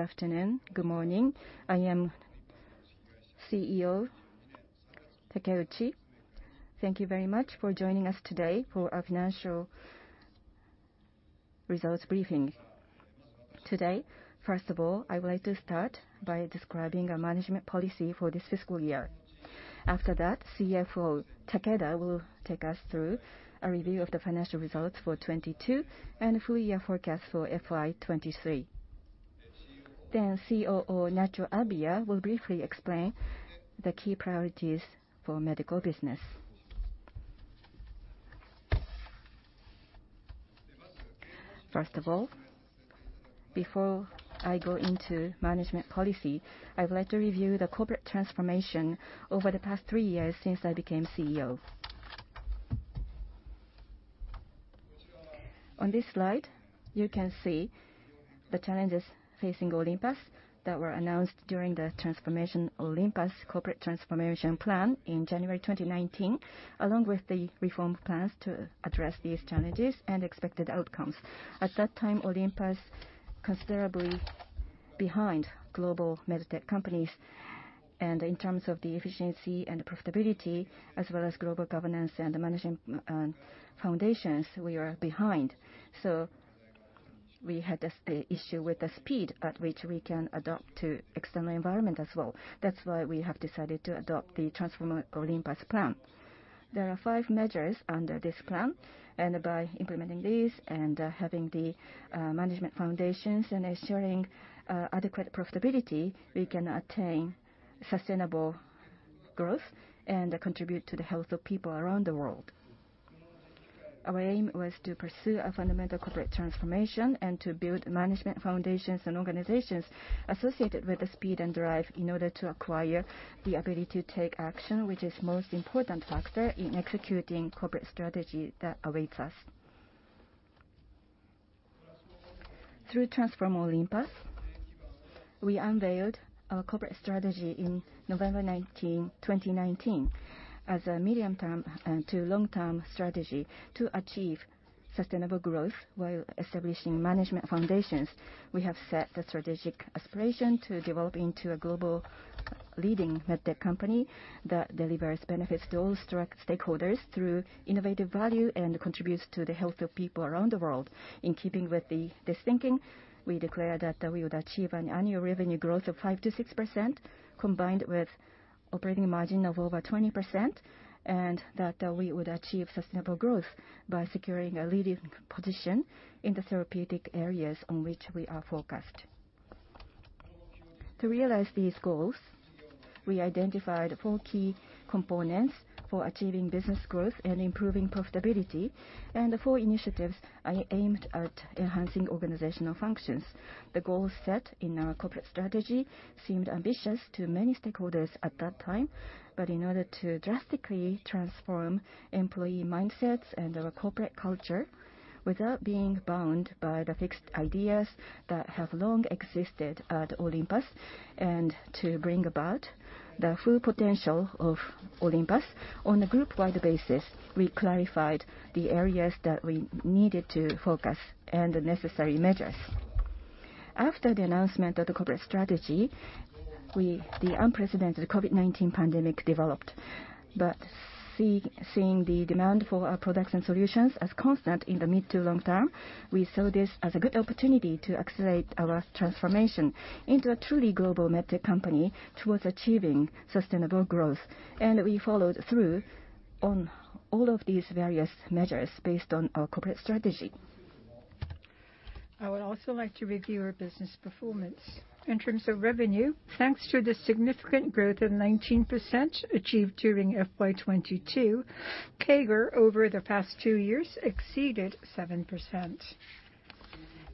Good afternoon, good morning. I am CEO Takeuchi. Thank you very much for joining us today for our financial results briefing. Today, first of all, I would like to start by describing our management policy for this fiscal year. After that, CFO Takeda will take us through a review of the financial results for 2022, and full year forecast for FY2023. Then COO Nacho Abia will briefly explain the key priorities for medical business. First of all, before I go into management policy, I would like to review the corporate transformation over the past three years since I became CEO. On this slide, you can see the challenges facing Olympus that were announced during the transformation of Olympus in transformation plan in January 2019, along with the reform plans to address these challenges and expected outcomes. At that time, Olympus considerably behind global med tech companies, and in terms of the efficiency and profitability, as well as global governance and management, foundations, we are behind. We had the issue with the speed at which we can adapt to external environment as well. That's why we have decided to adopt the Transform Olympus plan. There are five measures under this plan, and by implementing these, and having the management foundations, and ensuring adequate profitability, we can attain sustainable growth, and contribute to the health of people around the world. Our aim was to pursue a fundamental corporate transformation, and to build management foundations and organizations associated with the speed and drive in order to acquire the ability to take action, which is most important factor in executing corporate strategy that awaits us. Through Transform Olympus, we unveiled our corporate strategy in November 19, 2019, as a medium-term to long-term strategy to achieve sustainable growth while establishing management foundations. We have set the strategic aspiration to develop into a global leading med tech company that delivers benefits to all stakeholders through innovative value, and contributes to the health of people around the world. In keeping with this thinking, we declare that we would achieve an annual revenue growth of 5%-6% combined with operating margin of over 20%, and that we would achieve sustainable growth by securing a leading position in the therapeutic areas on which we are focused. To realize these goals, we identified four key components for achieving business growth and improving profitability, and four initiatives aimed at enhancing organizational functions. The goals set in our corporate strategy seemed ambitious to many stakeholders at that time. In order to drastically transform employee mindsets and our corporate culture without being bound by the fixed ideas that have long existed at Olympus, and to bring about the full potential of Olympus on a group-wide basis, we clarified the areas that we needed to focus and the necessary measures. After the announcement of the corporate strategy, the unprecedented COVID-19 pandemic developed. Seeing the demand for our products and solutions as constant in the mid to long term, we saw this as a good opportunity to accelerate our transformation into a truly global med tech company towards achieving sustainable growth. We followed through on all of these various measures based on our corporate strategy. I would also like to review our business performance. In terms of revenue, thanks to the significant growth of 19% achieved during FY2022, CAGR over the past two years exceeded 7%.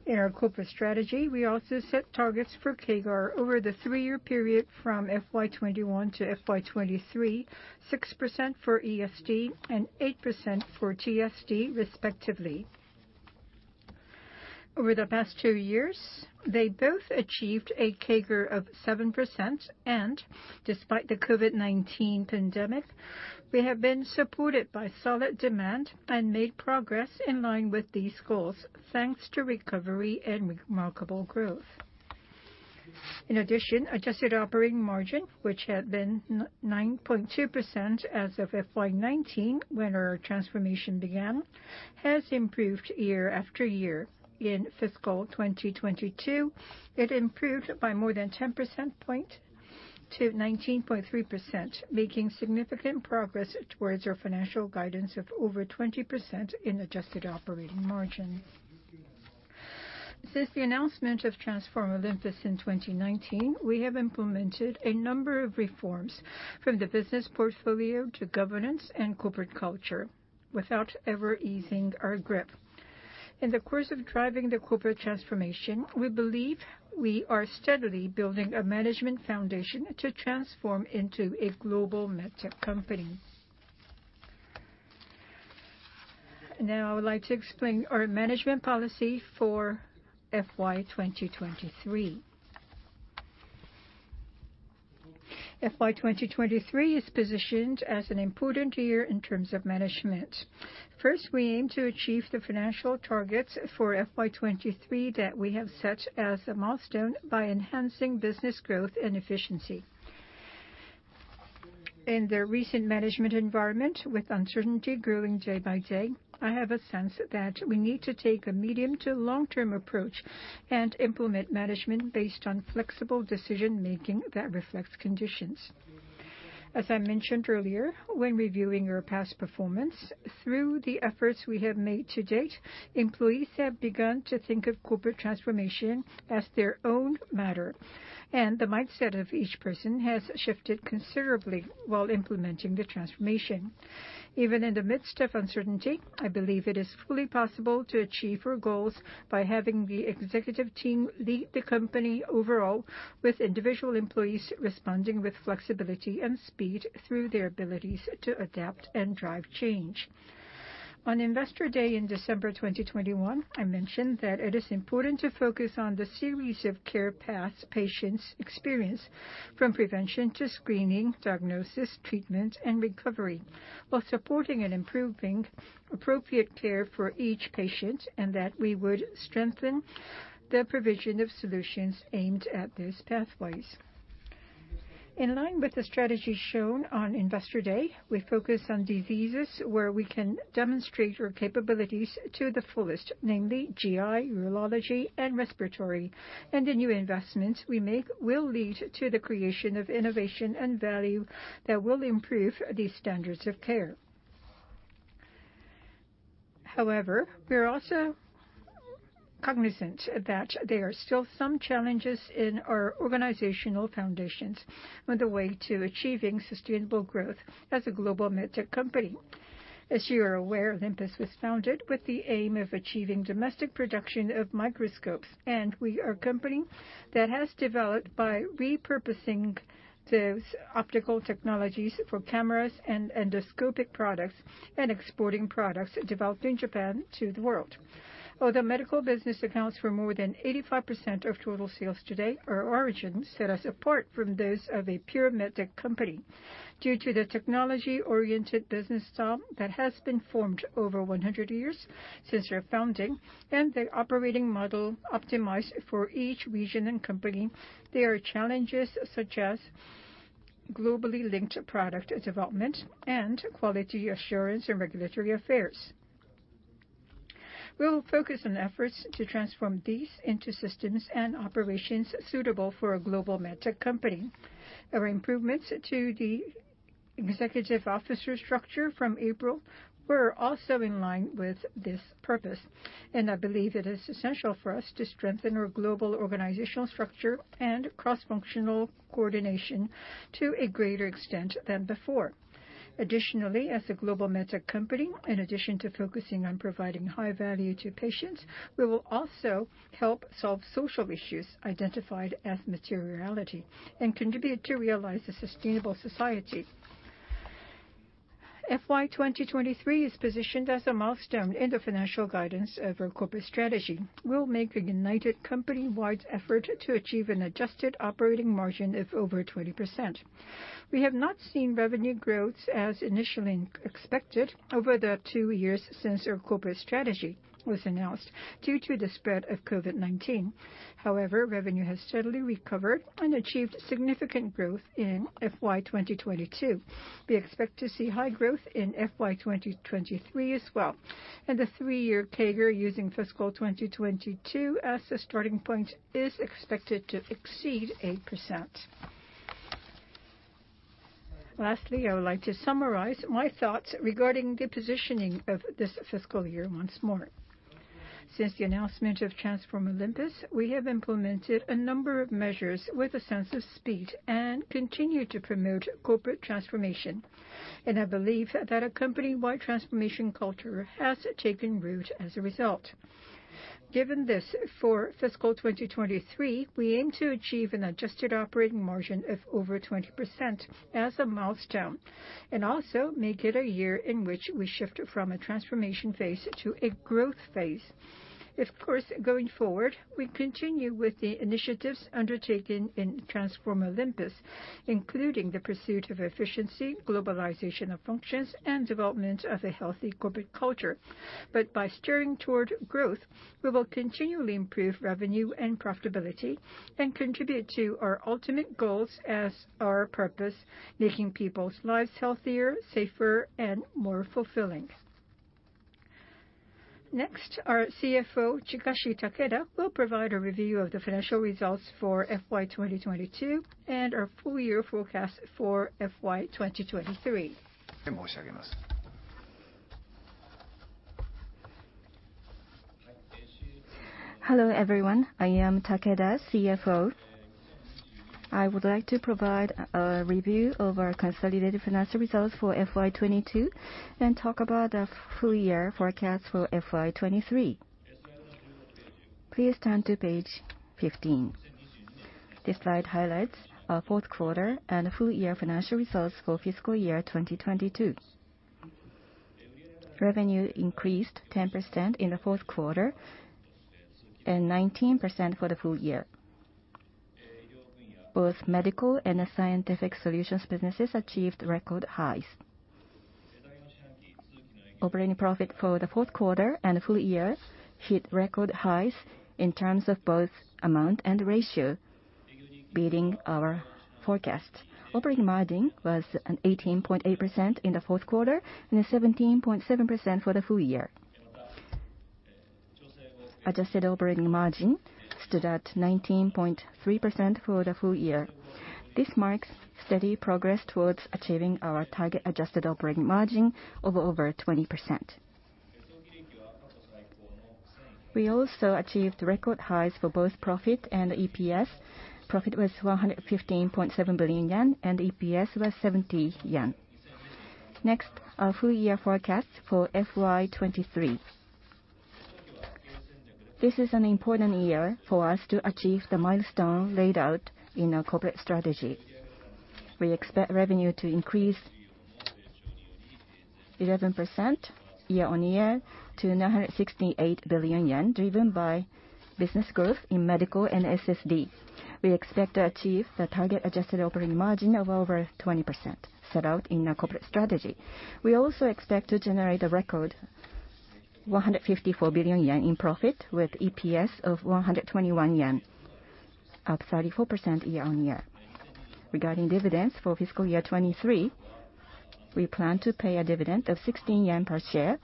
In our corporate strategy, we also set targets for CAGR over the three-year period from FY2021-FY23, 6% for ESD and 8% for TSD respectively. Over the past two years, they both achieved a CAGR of 7%, and despite the COVID-19 pandemic, we have been supported by solid demand and made progress in line with these goals thanks to recovery and remarkable growth. In addition, Adjusted Operating Margin, which had been 9.2% as of FY2019 when our transformation began, has improved year-after-year. In fiscal 2022, it improved by more than 10 percentage points to 19.3%, making significant progress towards our financial guidance of over 20% in Adjusted Operating Margin. Since the announcement of Transform Olympus in 2019, we have implemented a number of reforms from the business portfolio to governance and corporate culture without ever easing our grip. In the course of driving the corporate transformation, we believe we are steadily building a management foundation to transform into a global med tech company. Now I would like to explain our management policy for FY2023. FY2023 is positioned as an important year in terms of management. First, we aim to achieve the financial targets for FY2023 that we have set as a milestone by enhancing business growth and efficiency. In the recent management environment, with uncertainty growing day-by-day, I have a sense that we need to take a medium to long-term approach and implement management based on flexible decision-making that reflects conditions. As I mentioned earlier, when reviewing our past performance, through the efforts we have made to date, employees have begun to think of corporate transformation as their own matter, and the mindset of each person has shifted considerably while implementing the transformation. Even in the midst of uncertainty, I believe it is fully possible to achieve our goals by having the executive team lead the company overall, with individual employees responding with flexibility and speed through their abilities to adapt and drive change. On Investor Day in December 2021, I mentioned that it is important to focus on the series of care paths patients experience, from prevention to screening, diagnosis, treatment, and recovery, while supporting and improving appropriate care for each patient, and that we would strengthen the provision of solutions aimed at those pathways. In line with the strategy shown on Investor Day, we focus on diseases where we can demonstrate our capabilities to the fullest, namely GI, urology, and respiratory. The new investments we make will lead to the creation of innovation and value that will improve the standards of care. However, we are also cognizant that there are still some challenges in our organizational foundations on the way to achieving sustainable growth as a global med tech company. As you are aware, Olympus was founded with the aim of achieving domestic production of microscopes, and we are a company that has developed by repurposing those optical technologies for cameras and endoscopic products and exporting products developed in Japan to the world. Although medical business accounts for more than 85% of total sales today, our origins set us apart from those of a pure med tech company. Due to the technology-oriented business style that has been formed over 100 years since our founding and the operating model optimized for each region and company, there are challenges such as globally linked product development and quality assurance in regulatory affairs. We will focus on efforts to transform these into systems and operations suitable for a global med tech company. Our improvements to the executive officer structure from April were also in line with this purpose. I believe it is essential for us to strengthen our global organizational structure and cross-functional coordination to a greater extent than before. Additionally, as a global med tech company, in addition to focusing on providing high value to patients, we will also help solve social issues identified as materiality and contribute to realize a sustainable society. FY2023 is positioned as a milestone in the financial guidance of our corporate strategy. We'll make a united company-wide effort to achieve an Adjusted Operating Margin of over 20%. We have not seen revenue growth as initially expected over the two years since our corporate strategy was announced due to the spread of COVID-19. However, revenue has steadily recovered and achieved significant growth in FY2022. We expect to see high growth in FY2023 as well, and the three-year CAGR using fiscal 2022 as a starting point is expected to exceed 8%. Lastly, I would like to summarize my thoughts regarding the positioning of this fiscal year once more. Since the announcement of Transform Olympus, we have implemented a number of measures with a sense of speed and continue to promote corporate transformation, and I believe that a company-wide transformation culture has taken root as a result. Given this, for fiscal 2023, we aim to achieve an Adjusted Operating Margin of over 20% as a milestone and also make it a year in which we shift from a transformation phase to a growth phase. Of course, going forward, we continue with the initiatives undertaken in Transform Olympus, including the pursuit of efficiency, globalization of functions, and development of a healthy corporate culture. By steering toward growth, we will continually improve revenue and profitability and contribute to our ultimate goals as our purpose, making people's lives healthier, safer, and more fulfilling. Next, our CFO, Chikashi Takeda, will provide a review of the financial results for FY2022 and our full year forecast for FY2023. Hello, everyone. I am Takeda, CFO. I would like to provide a review of our consolidated financial results for FY2022 and talk about the full year forecast for FY2023. Please turn to page 15. This slide highlights our fourth quarter and full year financial results for fiscal year 2022. Revenue increased 10% in the fourth quarter and 19% for the full year. Both medical and scientific solutions businesses achieved record highs. Operating profit for the fourth quarter and full year hit record highs in terms of both amount and ratio, beating our forecast. Operating margin was 18.8% in the fourth quarter and 17.7% for the full year. Adjusted Operating Margin stood at 19.3% for the full year. This marks steady progress towards achieving our target Adjusted Operating Margin of over 20%. We also achieved record highs for both profit and EPS. Profit was 115.7 billion yen and EPS was 70 yen. Next, our full year forecast for FY2023. This is an important year for us to achieve the milestone laid out in our corporate strategy. We expect revenue to increase 11% year-on-year to 968 billion yen, driven by business growth in medical and SSD. We expect to achieve the target Adjusted Operating Margin of over 20% set out in our corporate strategy. We also expect to generate a record 154 billion yen in profit with EPS of 121 yen, up 34% year-on-year. Regarding dividends for fiscal year 2023, we plan to pay a dividend of 16 yen per share,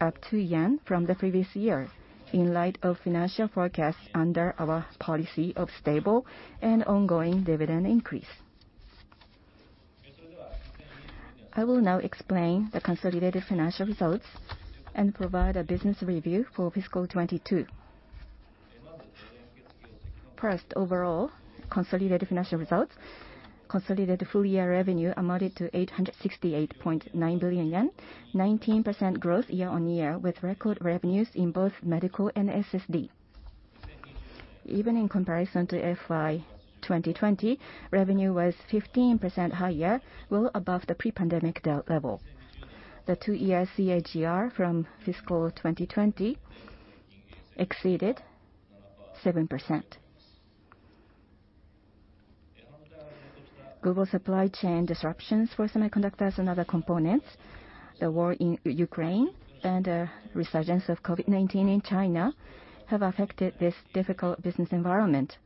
up 2 yen from the previous year in light of financial forecasts under our policy of stable and ongoing dividend increase. I will now explain the consolidated financial results and provide a business review for fiscal 2022. First, overall consolidated financial results. Consolidated full year revenue amounted to 868.9 billion yen, 19% growth year-on-year, with record revenues in both medical and SSD. Even in comparison to FY2020, revenue was 15% higher, well above the pre-pandemic level. The two-year CAGR from fiscal 2020 exceeded 7%. Global supply chain disruptions for semiconductors and other components, the war in Ukraine, and a resurgence of COVID-19 in China have affected this difficult business environment.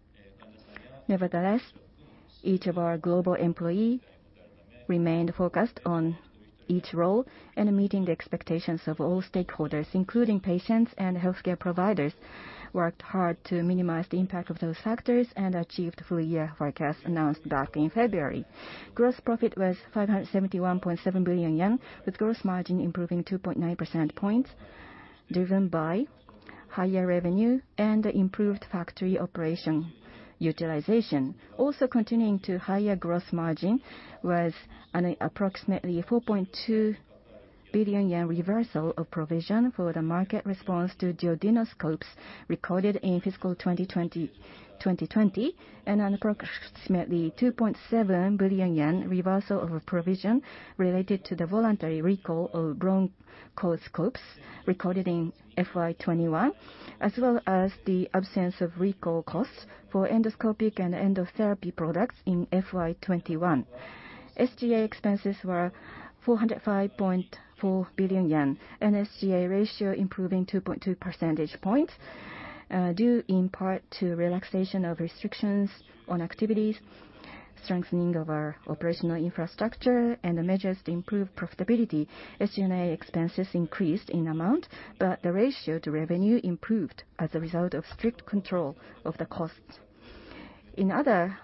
Nevertheless, each of our global employees remained focused on each role and meeting the expectations of all stakeholders, including patients and healthcare providers, worked hard to minimize the impact of those factors and achieved full year forecast announced back in February. Gross profit was 571.7 billion yen, with gross margin improving 2.9 percentage points, driven by higher revenue and improved factory operation utilization. Also continuing to higher gross margin was an approximately 4.2 billion yen reversal of provision for the market response to duodenoscopes recorded in fiscal 2020, and an approximately 2.7 billion yen reversal of a provision related to the voluntary recall of bronchoscopes recorded in FY2021, as well as the absence of recall costs for endoscopic and endotherapy products in FY2021. SG&A expenses were 405.4 billion yen, and SG&A ratio improving 2.2 percentage points, due in part to relaxation of restrictions on activities, strengthening of our operational infrastructure, and the measures to improve profitability. SG&A expenses increased in amount, but the ratio to revenue improved as a result of strict control of the costs. In other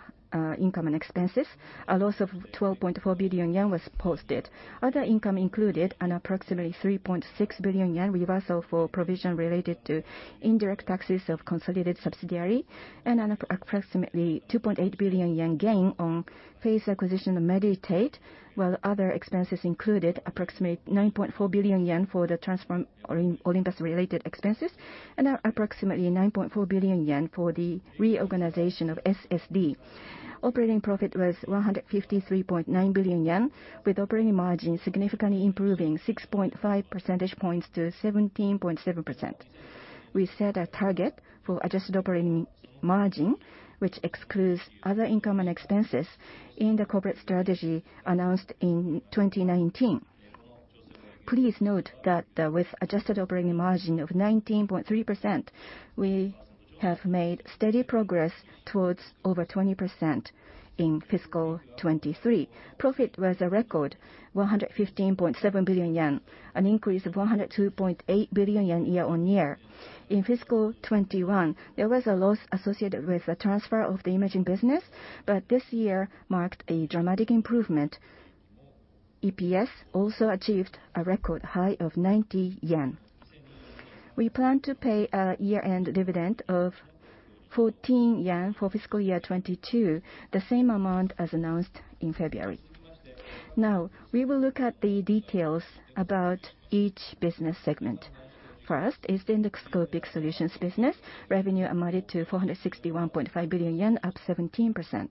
income and expenses, a loss of 12.4 billion yen was posted. Other income included an approximately 3.6 billion yen reversal for provision related to indirect taxes of consolidated subsidiary and an approximately 2.8 billion yen gain on phased acquisition of Medi-Tate, while other expenses included approximate 9.4 billion yen for the Transform Olympus related expenses and approximately 9.4 billion yen for the reorganization of ESD. Operating profit was 153.9 billion yen, with operating margin significantly improving 6.5 percentage points to 17.7%. We set a target for Adjusted Operating Margin, which excludes other income and expenses in the corporate strategy announced in 2019. Please note that with Adjusted Operating Margin of 19.3%, we have made steady progress towards over 20% in fiscal 2023. Profit was a record 115.7 billion yen, an increase of 102.8 billion yen year-on-year. In fiscal 2021, there was a loss associated with the transfer of the imaging business, but this year marked a dramatic improvement. EPS also achieved a record high of 90 yen. We plan to pay a year-end dividend of 14 yen for fiscal year 2022, the same amount as announced in February. Now, we will look at the details about each business segment. First is the endoscopic solutions business. Revenue amounted to 461.5 billion yen, up 17%.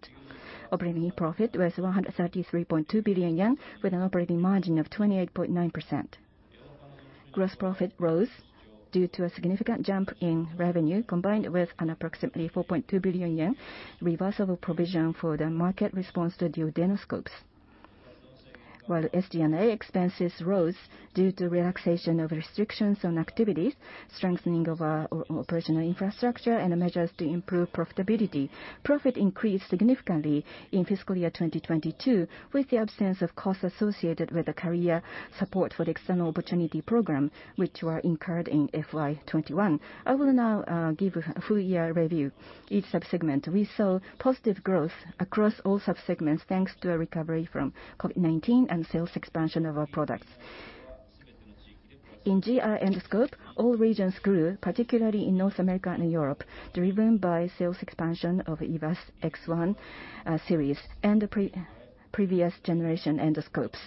Operating profit was 133.2 billion yen, with an operating margin of 28.9%. Gross profit rose due to a significant jump in revenue, combined with an approximately 4.2 billion yen reversal of provision for the market response to duodenoscopes. While SG&A expenses rose due to relaxation of restrictions on activities, strengthening of our operational infrastructure and measures to improve profitability. Profit increased significantly in fiscal year 2022, with the absence of costs associated with the Career Support for External Opportunity program, which were incurred in FY2021. I will now give a full year review. Each subsegment, we saw positive growth across all subsegments, thanks to a recovery from COVID-19 and sales expansion of our products. In GI endoscope, all regions grew, particularly in North America and Europe, driven by sales expansion of EVIS X1 series and the previous generation endoscopes.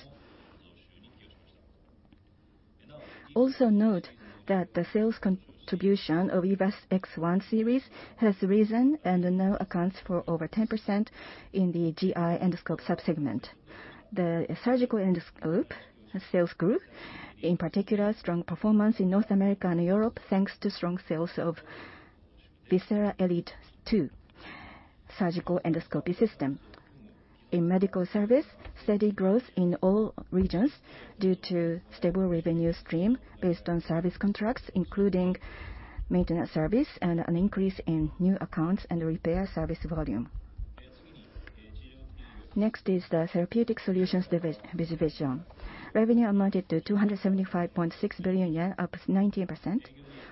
Also note that the sales contribution of EVIS X1 series has risen and now accounts for over 10% in the GI endoscope subsegment. The surgical endoscope sales grew, in particular strong performance in North America and Europe, thanks to strong sales of VISERA ELITE II surgical endoscopy system. In medical service, steady growth in all regions due to stable revenue stream based on service contracts, including maintenance service and an increase in new accounts and repair service volume. Next is the Therapeutic Solutions Division. Revenue amounted to 275.6 billion yen, up 19%.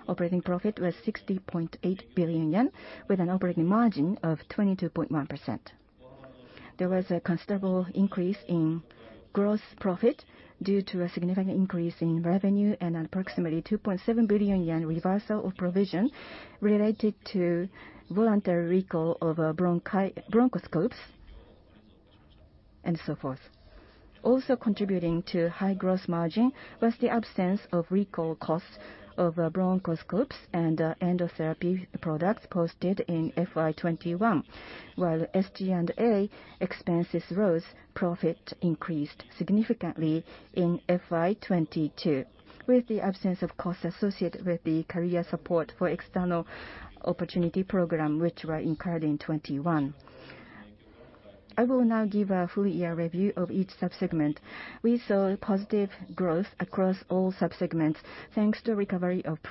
Operating profit was 60.8 billion yen with an operating margin of 22.1%. There was a considerable increase in gross profit due to a significant increase in revenue and approximately 2.7 billion yen reversal of provision related to voluntary recall of bronchoscopes and so forth. Also contributing to high gross margin was the absence of recall costs of bronchoscopes and endotherapy products posted in FY 2021. While SG&A expenses rose, profit increased significantly in FY 2022, with the absence of costs associated with the Career Support for External Opportunity program, which were incurred in 2021. I will now give a full year review of each subsegment. We saw positive growth across all subsegments, thanks to recovery of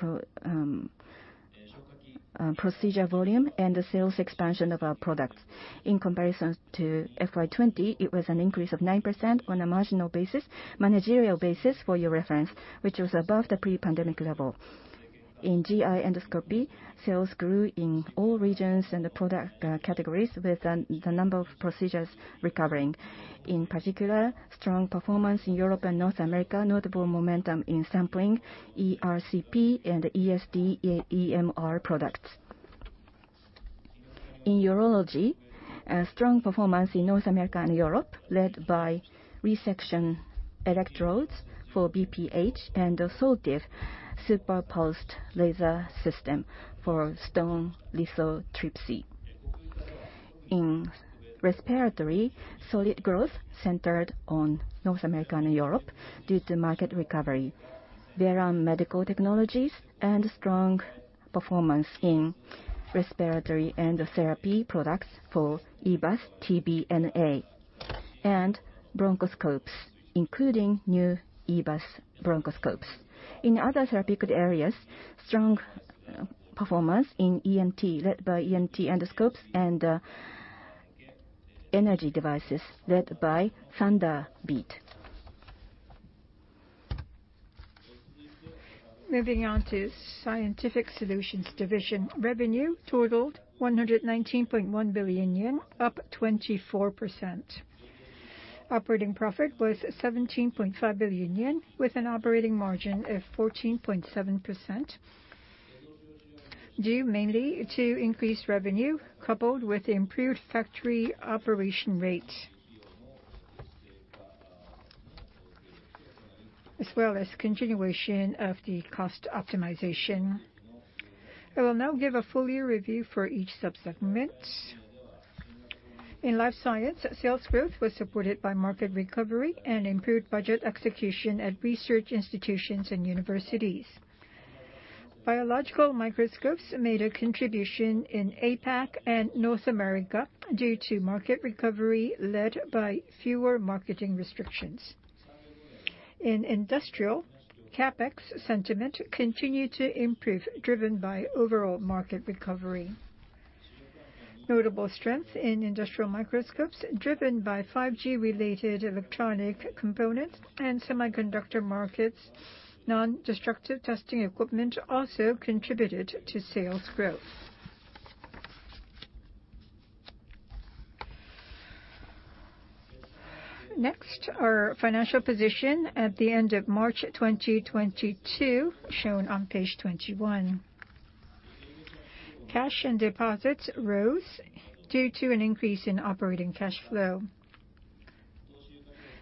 procedure volume and the sales expansion of our products. In comparison to FY 2020, it was an increase of 9% on a managerial basis for your reference, which was above the pre-pandemic level. In GI endoscopy, sales grew in all regions and the product categories with the number of procedures recovering. In particular, strong performance in Europe and North America, notable momentum in standard ERCP and ESD/EMR products. In urology, a strong performance in North America and Europe led by resection electrodes for BPH and the Thulium Super Pulsed Laser System for stone lithotripsy. In respiratory, solid growth centered on North America and Europe due to market recovery. In other medical technologies, strong performance in respiratory endotherapy products for EBUS-TBNA and bronchoscopes, including new EVIS bronchoscopes. In other therapeutic areas, strong performance in ENT, led by ENT endoscopes and energy devices led by THUNDERBEAT. Moving on to Scientific Solutions Division. Revenue totaled 119.1 billion yen, up 24%. Operating profit was 17.5 billion yen with an operating margin of 14.7%, due mainly to increased revenue coupled with improved factory operation rate, as well as continuation of the cost optimization. I will now give a full year review for each subsegment. In Life Science, sales growth was supported by market recovery and improved budget execution at research institutions and universities. Biological microscopes made a contribution in APAC and North America due to market recovery led by fewer marketing restrictions. In Industrial, CapEx sentiment continued to improve, driven by overall market recovery. Notable strength in industrial microscopes driven by 5G related electronic components and semiconductor markets. Non-destructive testing equipment also contributed to sales growth. Next, our financial position at the end of March 2022, shown on page 21. Cash and deposits rose due to an increase in operating cash flow.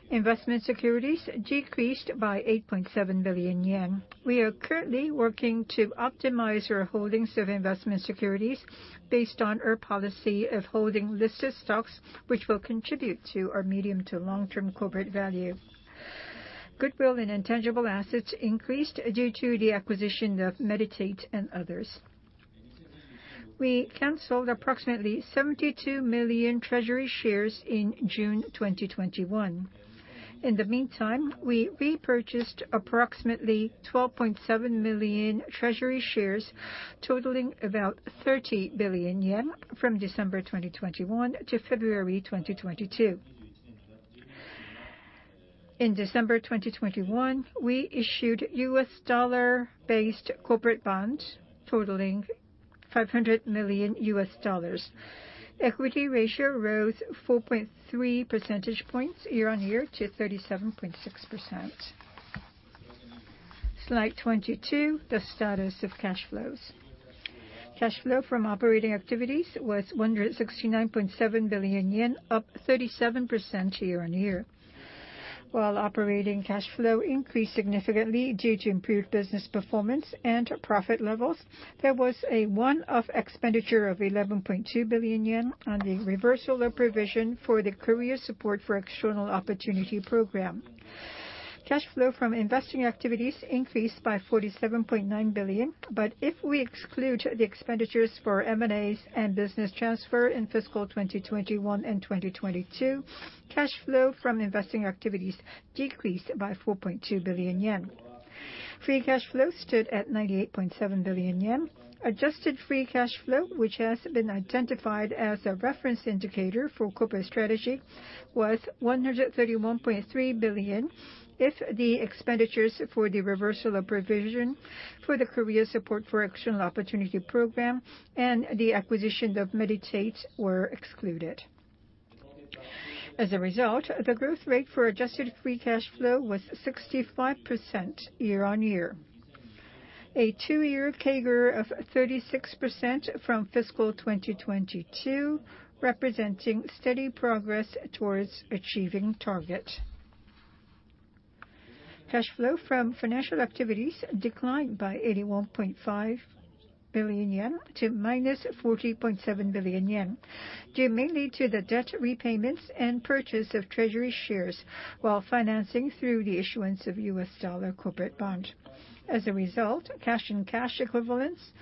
Investment securities decreased by 8.7 billion yen. We are currently working to optimize our holdings of investment securities based on our policy of holding listed stocks, which will contribute to our medium to long-term corporate value. Goodwill and intangible assets increased due to the acquisition of Medi-Tate and others. We canceled approximately 72 million treasury shares in June 2021. In the meantime, we repurchased approximately 12.7 million treasury shares, totaling about 30 billion yen from December 2021-February 2022. In December 2021, we issued US dollar-based corporate bonds totaling $500 million. Equity ratio rose 4.3 percentage points year-on-year to 37.6%. Slide 22, the status of cash flows. Cash flow from operating activities was 169.7 billion yen, up 37% year-over-year. While operating cash flow increased significantly due to improved business performance and profit levels, there was a one-off expenditure of 11.2 billion yen on the reversal of provision for the Career Support for External Opportunity program. Cash flow from investing activities increased by 47.9 billion. If we exclude the expenditures for M&As and business transfer in fiscal 2021 and 2022, cash flow from investing activities decreased by 4.2 billion yen. Free Cash Flow stood at 98.7 billion yen. Adjusted Free Cash Flow, which has been identified as a reference indicator for corporate strategy, was 131.3 billion if the expenditures for the reversal of provision for the Career Support for External Opportunity program and the acquisition of Medi-Tate were excluded. As a result, the growth rate for Adjusted Free Cash Flow was 65% year-on-year. A two-year CAGR of 36% from fiscal 2022, representing steady progress towards achieving target. Cash flow from financial activities declined by 81.5 billion--40.7 billion yen, due mainly to the debt repayments and purchase of treasury shares while financing through the issuance of US dollar corporate bond. As a result, cash and cash equivalents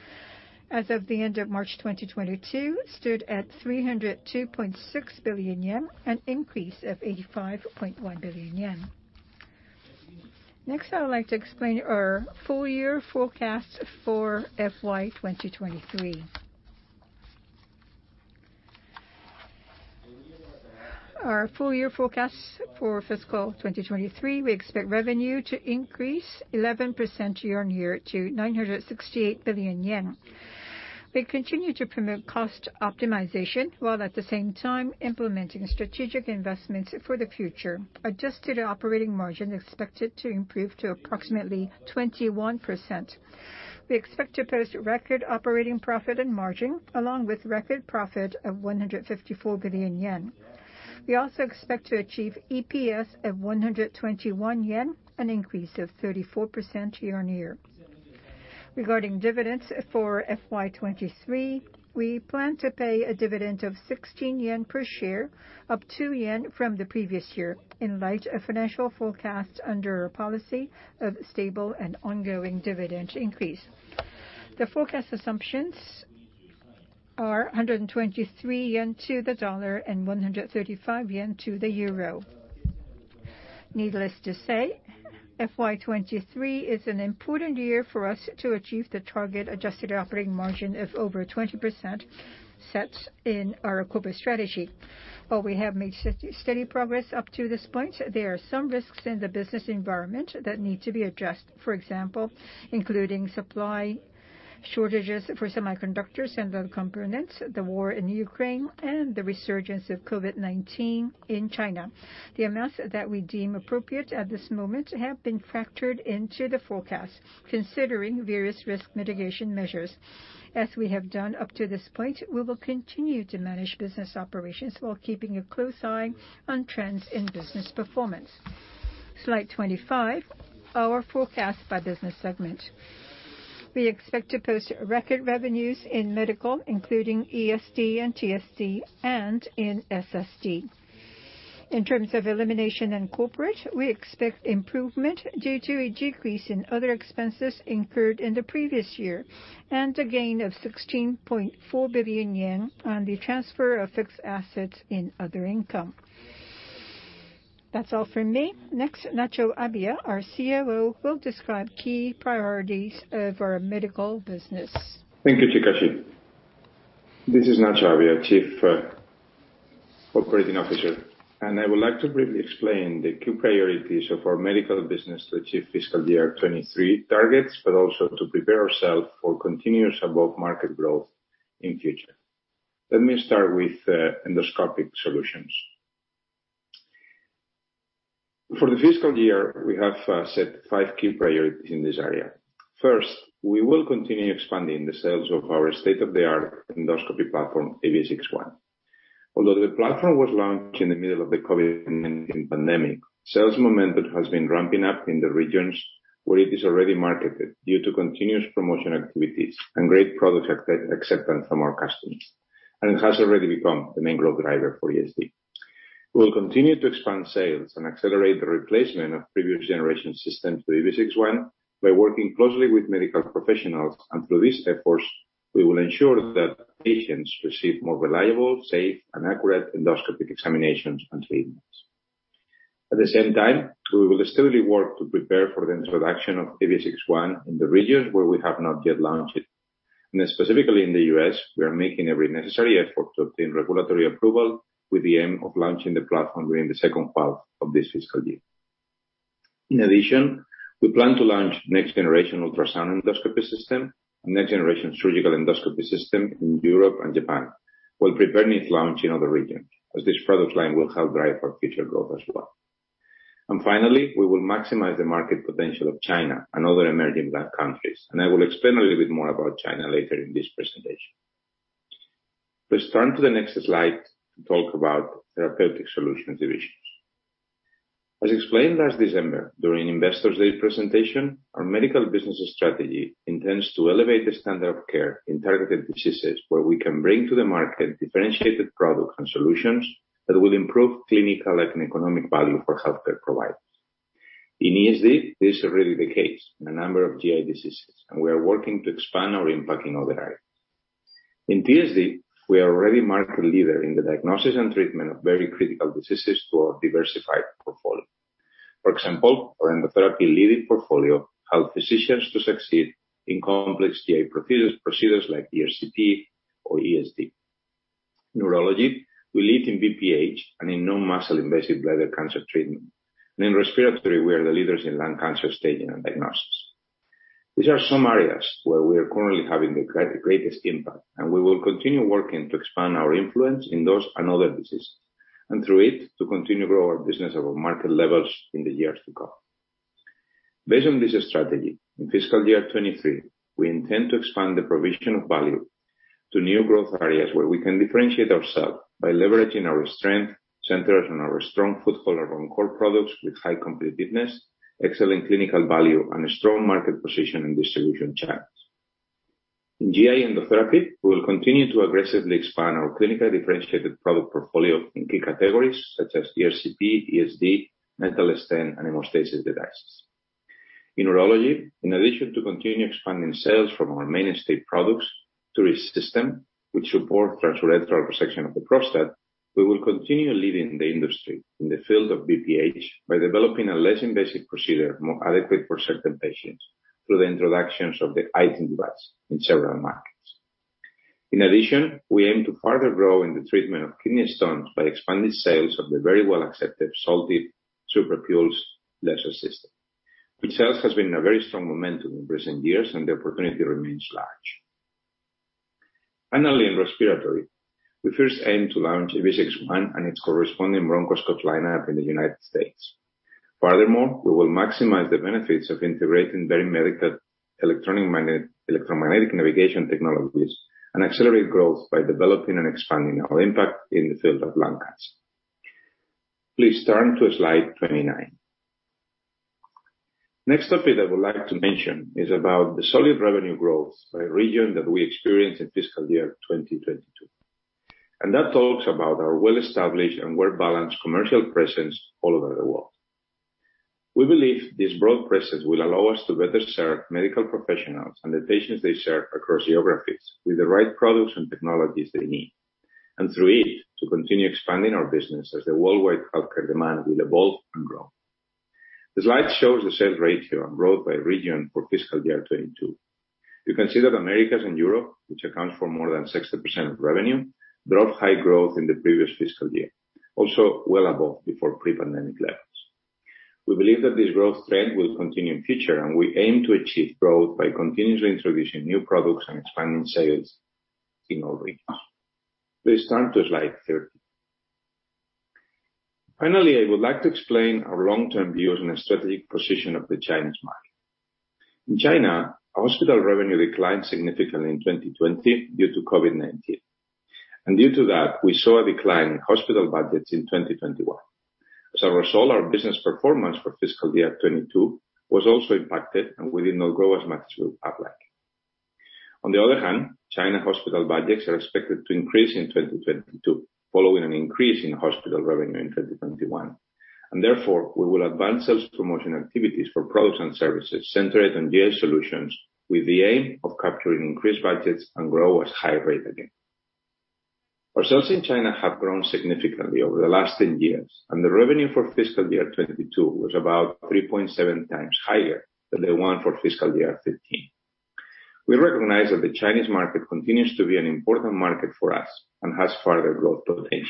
as of the end of March 2022 stood at 302.6 billion yen, an increase of 85.1 billion yen. Next, I would like to explain our full year forecast for FY2023. Our full year forecast for fiscal 2023, we expect revenue to increase 11% year-on-year to 968 billion yen. We continue to promote cost optimization, while at the same time implementing strategic investments for the future. Adjusted Operating Margin expected to improve to approximately 21%. We expect to post record operating profit and margin, along with record profit of 154 billion yen. We also expect to achieve EPS of 121 yen, an increase of 34% year-on-year. Regarding dividends for FY23, we plan to pay a dividend of 16 yen per share, up 2 yen from the previous year, in light of financial forecast under our policy of stable and ongoing dividend increase. The forecast assumptions are 123 yen to the dollar and 135 yen to the euro. Needless to say, FY23 is an important year for us to achieve the target Adjusted Operating Margin of over 20% set in our corporate strategy. While we have made steady progress up to this point, there are some risks in the business environment that need to be addressed. For example, including supply shortages for semiconductors and other components, the war in Ukraine, and the resurgence of COVID-19 in China. The amounts that we deem appropriate at this moment have been factored into the forecast, considering various risk mitigation measures. As we have done up to this point, we will continue to manage business operations while keeping a close eye on trends in business performance. Slide 25, our forecast by business segment. We expect to post record revenues in medical, including ESD and TSD and in SSD. In terms of elimination and corporate, we expect improvement due to a decrease in other expenses incurred in the previous year and a gain of 16.4 billion yen on the transfer of fixed assets in other income. That's all from me. Next, Nacho Abia, our COO, will describe key priorities of our medical business. Thank you, Chikashi. This is Nacho Abia, Chief Operating Officer, and I would like to briefly explain the key priorities of our medical business to achieve fiscal year 2023 targets, but also to prepare ourselves for continuous above-market growth in future. Let me start with endoscopic solutions. For the fiscal year, we have set five key priorities in this area. First, we will continue expanding the sales of our state-of-the-art endoscopy platform, EVIS X1. Although the platform was launched in the middle of the COVID pandemic, sales momentum has been ramping up in the regions where it is already marketed due to continuous promotion activities and great product acceptance from our customers, and it has already become the main growth driver for ESD. We will continue to expand sales and accelerate the replacement of previous generation systems to EVIS X1 by working closely with medical professionals. Through this effort, we will ensure that patients receive more reliable, safe, and accurate endoscopic examinations and treatments. At the same time, we will steadily work to prepare for the introduction of EVIS X1 in the regions where we have not yet launched it. Specifically in the U.S., we are making every necessary effort to obtain regulatory approval with the aim of launching the platform during the second half of this fiscal year. In addition, we plan to launch next-generation ultrasound endoscopy system and next-generation surgical endoscopy system in Europe and Japan, while preparing its launch in other regions, as this product line will help drive our future growth as well. Finally, we will maximize the market potential of China and other emerging markets. I will explain a little bit more about China later in this presentation. Please turn to the next slide to talk about Therapeutic Solutions Division. As explained last December during Investor Day presentation, our medical business strategy intends to elevate the standard of care in targeted diseases where we can bring to the market differentiated products and solutions that will improve clinical and economic value for healthcare providers. In ESD, this is really the case in a number of GI diseases, and we are working to expand our impact in other areas. In TSD, we are already market leader in the diagnosis and treatment of very critical diseases through our diversified portfolio. For example, our Endotherapy leading portfolio help physicians to succeed in complex GI procedures like ERCP or ESD. In urology, we lead in BPH and in non-muscle-invasive bladder cancer treatment. In respiratory, we are the leaders in lung cancer staging and diagnosis. These are some areas where we are currently having the greatest impact, and we will continue working to expand our influence in those and other diseases, and through it, to continue grow our business over market levels in the years to come. Based on this strategy, in fiscal year 2023, we intend to expand the provision of value to new growth areas where we can differentiate ourselves by leveraging our strength, centered on our strong foothold around core products with high competitiveness, excellent clinical value, and a strong market position and distribution channels. In GI endotherapy, we will continue to aggressively expand our clinically differentiated product portfolio in key categories such as ERCP, ESD, metal stent, and hemostasis devices. In urology, in addition to continue expanding sales from our mainstay products through a system which support transurethral resection of the prostate, we will continue leading the industry in the field of BPH by developing a less invasive procedure, more adequate for certain patients, through the introductions of the iTind device in several markets. In addition, we aim to further grow in the treatment of kidney stones by expanding sales of the very well-accepted Soltive SuperPulsed Laser System, which sales has been a very strong momentum in recent years, and the opportunity remains large. Finally, in respiratory, we first aim to launch EVIS X1 and its corresponding bronchoscope lineup in the United States. Furthermore, we will maximize the benefits of integrating various medical electromagnetic navigation technologies, and accelerate growth by developing and expanding our impact in the field of lung cancer. Please turn to slide 29. Next topic I would like to mention is about the solid revenue growth by region that we experienced in fiscal year 2022. That talks about our well-established and well-balanced commercial presence all over the world. We believe this broad presence will allow us to better serve medical professionals and the patients they serve across geographies with the right products and technologies they need. Through it, to continue expanding our business as the worldwide healthcare demand will evolve and grow. The slide shows the sales ratio and growth by region for fiscal year 2022. You can see that Americas and Europe, which account for more than 60% of revenue, drove high growth in the previous fiscal year, also well above before pre-pandemic levels. We believe that this growth trend will continue in future, and we aim to achieve growth by continuously introducing new products and expanding sales in all regions. Please turn to slide 30. Finally, I would like to explain our long-term views on the strategic position of the Chinese market. In China, our hospital revenue declined significantly in 2020 due to COVID-19. Due to that, we saw a decline in hospital budgets in 2021. As a result, our business performance for fiscal year 2022 was also impacted, and we did not grow as much through APAC. On the other hand, Chinese hospital budgets are expected to increase in 2022, following an increase in hospital revenue in 2021. Therefore, we will advance sales promotion activities for products and services centered on GI solutions with the aim of capturing increased budgets and grow at high rate again. Our sales in China have grown significantly over the last 10 years, and the revenue for fiscal year 2022 was about 3.7x higher than the one for fiscal year 2013. We recognize that the Chinese market continues to be an important market for us and has further growth potential.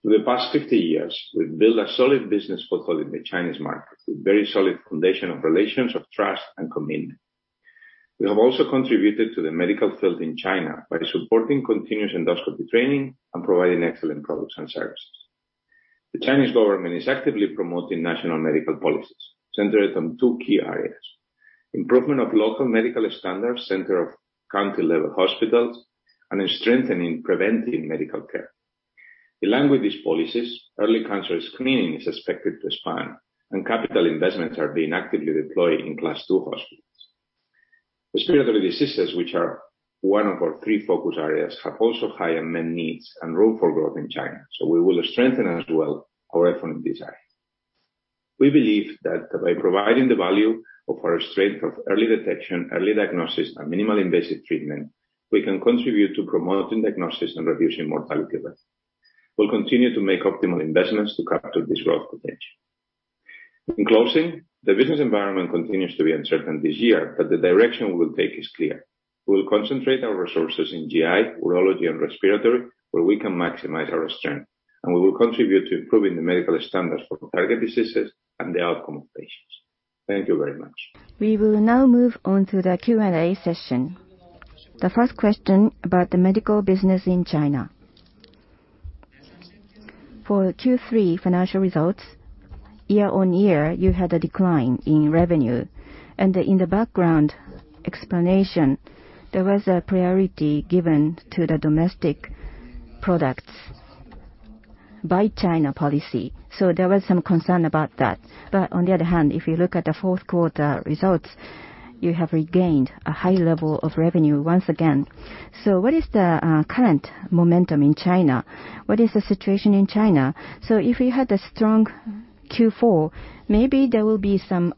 Through the past 50 years, we've built a solid business portfolio in the Chinese market with very solid foundation of relations of trust and commitment. We have also contributed to the medical field in China by supporting continuous endoscopy training and providing excellent products and services. The Chinese government is actively promoting national medical policies centered on two key areas, improvement of local medical standards centered on county-level hospitals, and strengthening preventive medical care. Along with these policies, early cancer screening is expected to expand, and capital investments are being actively deployed in Class 2 hospitals. Respiratory diseases, which are one of our three focus areas, have also high unmet needs and room for growth in China. We will strengthen as well our effort in this area. We believe that by providing the value of our strength of early detection, early diagnosis, and minimally invasive treatment, we can contribute to promoting diagnosis and reducing mortality rates. We'll continue to make optimal investments to capture this growth potential. In closing, the business environment continues to be uncertain this year, but the direction we will take is clear. We will concentrate our resources in GI, urology and respiratory, where we can maximize our strength, and we will contribute to improving the medical standards for target diseases and the outcome of patients. Thank you very much. We will now move on to the Q&A session. The first question about the medical business in China. For Q3 financial results, year-on-year, you had a decline in revenue. In the background explanation, there was a priority given to the domestic products by China policy. There was some concern about that. On the other hand, if you look at the fourth quarter results, you have regained a high level of revenue once again. What is the current momentum in China? What is the situation in China? If you had a strong Q4, maybe there will be some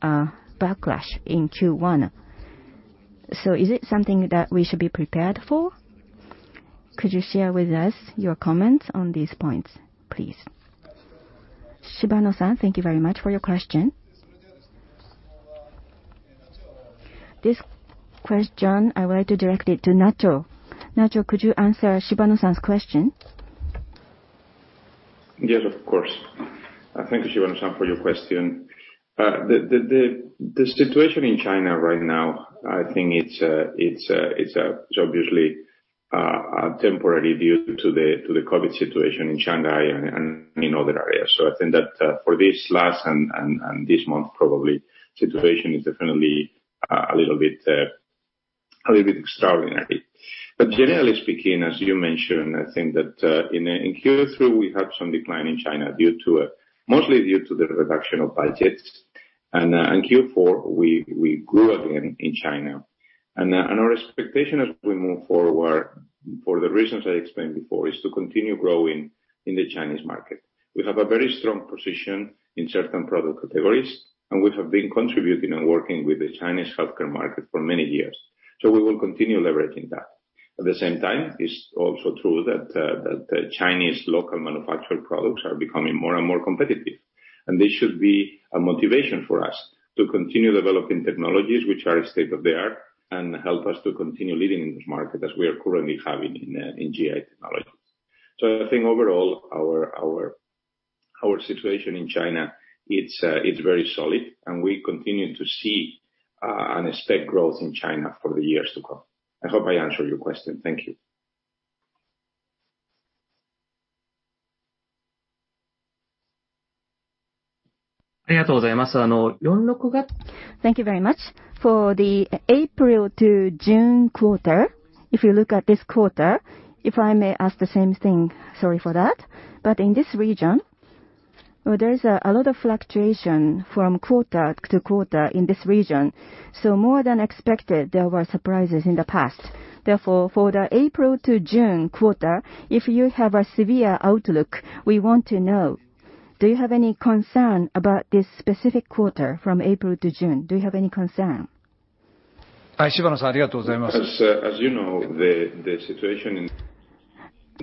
backlash in Q1. Is it something that we should be prepared for? Could you share with us your comments on these points, please? Shibano-san, thank you very much for your question. This question, I would like to direct it to Nacho. Nacho, could you answer Shibano-san's question? Yes, of course. Thank you, Shibano-san, for your question. The situation in China right now, I think it's obviously temporary due to the COVID situation in Shanghai and in other areas. I think that for this last month probably situation is definitely a little bit extraordinary. Generally speaking, as you mentioned, I think that in Q3, we had some decline in China mostly due to the reduction of budgets. In Q4, we grew again in China. Our expectation as we move forward, for the reasons I explained before, is to continue growing in the Chinese market. We have a very strong position in certain product categories, and we have been contributing and working with the Chinese healthcare market for many years. We will continue leveraging that. At the same time, it's also true that Chinese local manufactured products are becoming more and more competitive. This should be a motivation for us to continue developing technologies which are state-of-the-art and help us to continue leading in this market as we are currently having in GI technologies. I think overall, our situation in China, it's very solid, and we continue to see and expect growth in China for the years to come. I hope I answered your question. Thank you. Thank you very much. For the April-June quarter, if you look at this quarter, if I may ask the same thing, sorry for that. In this region, there is a lot of fluctuation from quarter-to-quarter in this region. More than expected, there were surprises in the past. Therefore, for the April-June quarter, if you have a severe outlook, we want to know. Do you have any concern about this specific quarter from April-June? Do you have any concern? As you know, the situation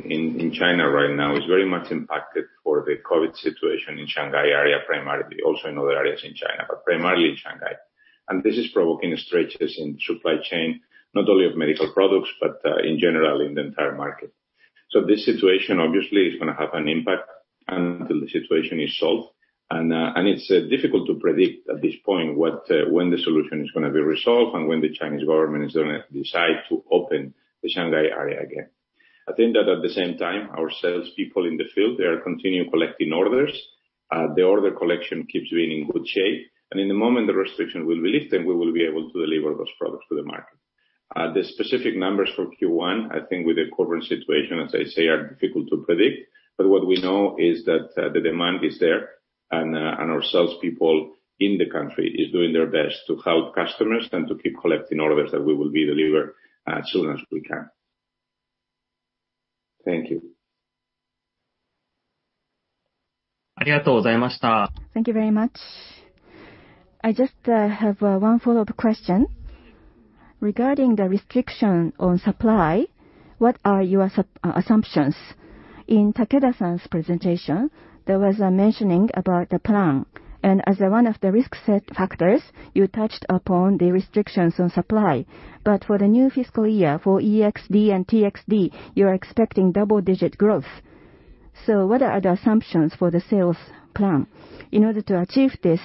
in China right now is very much impacted by the COVID situation in Shanghai area primarily. Also in other areas in China, but primarily in Shanghai. This is provoking strains in supply chain, not only of medical products, but in general in the entire market. This situation obviously is gonna have an impact until the situation is solved. It's difficult to predict at this point when the solution is gonna be resolved and when the Chinese government is gonna decide to open the Shanghai area again. I think that at the same time, our sales people in the field, they are continuing collecting orders. The order collection keeps being in good shape. In the moment the restriction will be lifted, we will be able to deliver those products to the market. The specific numbers for Q1, I think with the COVID situation, as I say, are difficult to predict. What we know is that the demand is there and our sales people in the country is doing their best to help customers and to keep collecting orders that we will be deliver as soon as we can. Thank you. Thank you very much. I just have one follow-up question. Regarding the restriction on supply, what are your assumptions? In Takeda-san's presentation, there was a mention about the plan. As one of the risk factors, you touched upon the restrictions on supply. For the new fiscal year, for ESD and TSD, you are expecting double-digit growth. What are the assumptions for the sales plan? In order to achieve this.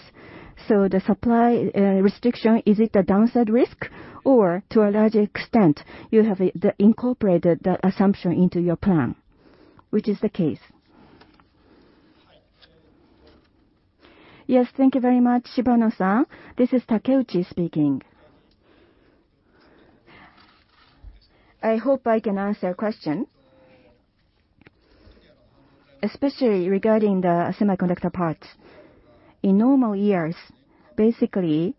The supply restriction, is it a downside risk? Or to a large extent you have incorporated the assumption into your plan? Which is the case. Yes, thank you very much, Shibano-san. This is Takeuchi speaking. I hope I can answer your question. Especially regarding the semiconductor part. In normal years, basically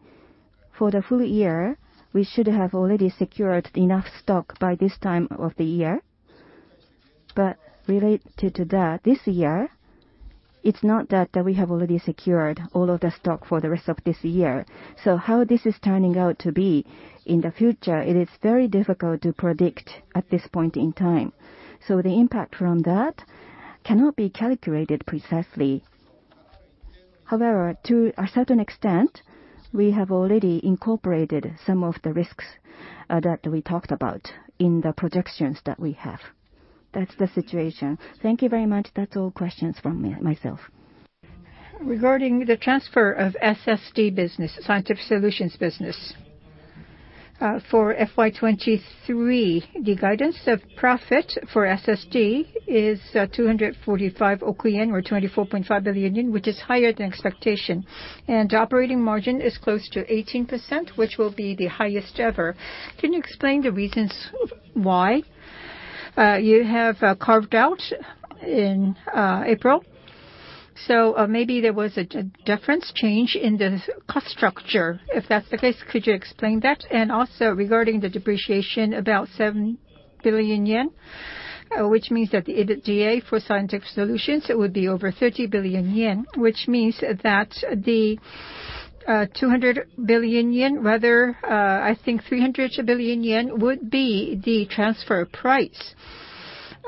for the full year, we should have already secured enough stock by this time of the year. Related to that, this year it's not that we have already secured all of the stock for the rest of this year. How this is turning out to be in the future, it is very difficult to predict at this point in time. The impact from that cannot be calculated precisely. However, to a certain extent, we have already incorporated some of the risks that we talked about in the projections that we have. That's the situation. Thank you very much. That's all questions from me, myself. Regarding the transfer of SSD business, Scientific Solutions business, for FY23, the guidance of profit for SSD is 245 oku yen, or 24.5 billion, which is higher than expectation. Operating margin is close to 18%, which will be the highest ever. Can you explain the reasons why? You have carved out in April, so maybe there was a difference change in the cost structure. If that's the case, could you explain that? Also regarding the depreciation, about 7 billion yen, which means that the EBITDA for Scientific Solutions, it would be over 30 billion yen, which means that the 200 billion yen, rather, I think 300 billion yen would be the transfer price,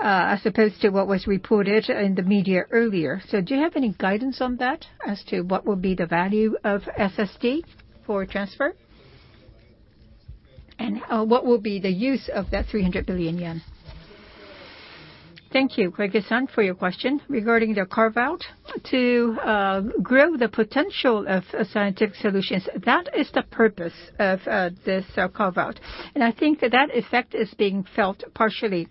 as opposed to what was reported in the media earlier. Do you have any guidance on that as to what will be the value of SSD for transfer? What will be the use of that 300 billion yen? Thank you, Kawano-san, for your question. Regarding the carve-out, to grow the potential of Scientific Solutions, that is the purpose of this carve-out. I think that that effect is being felt partially.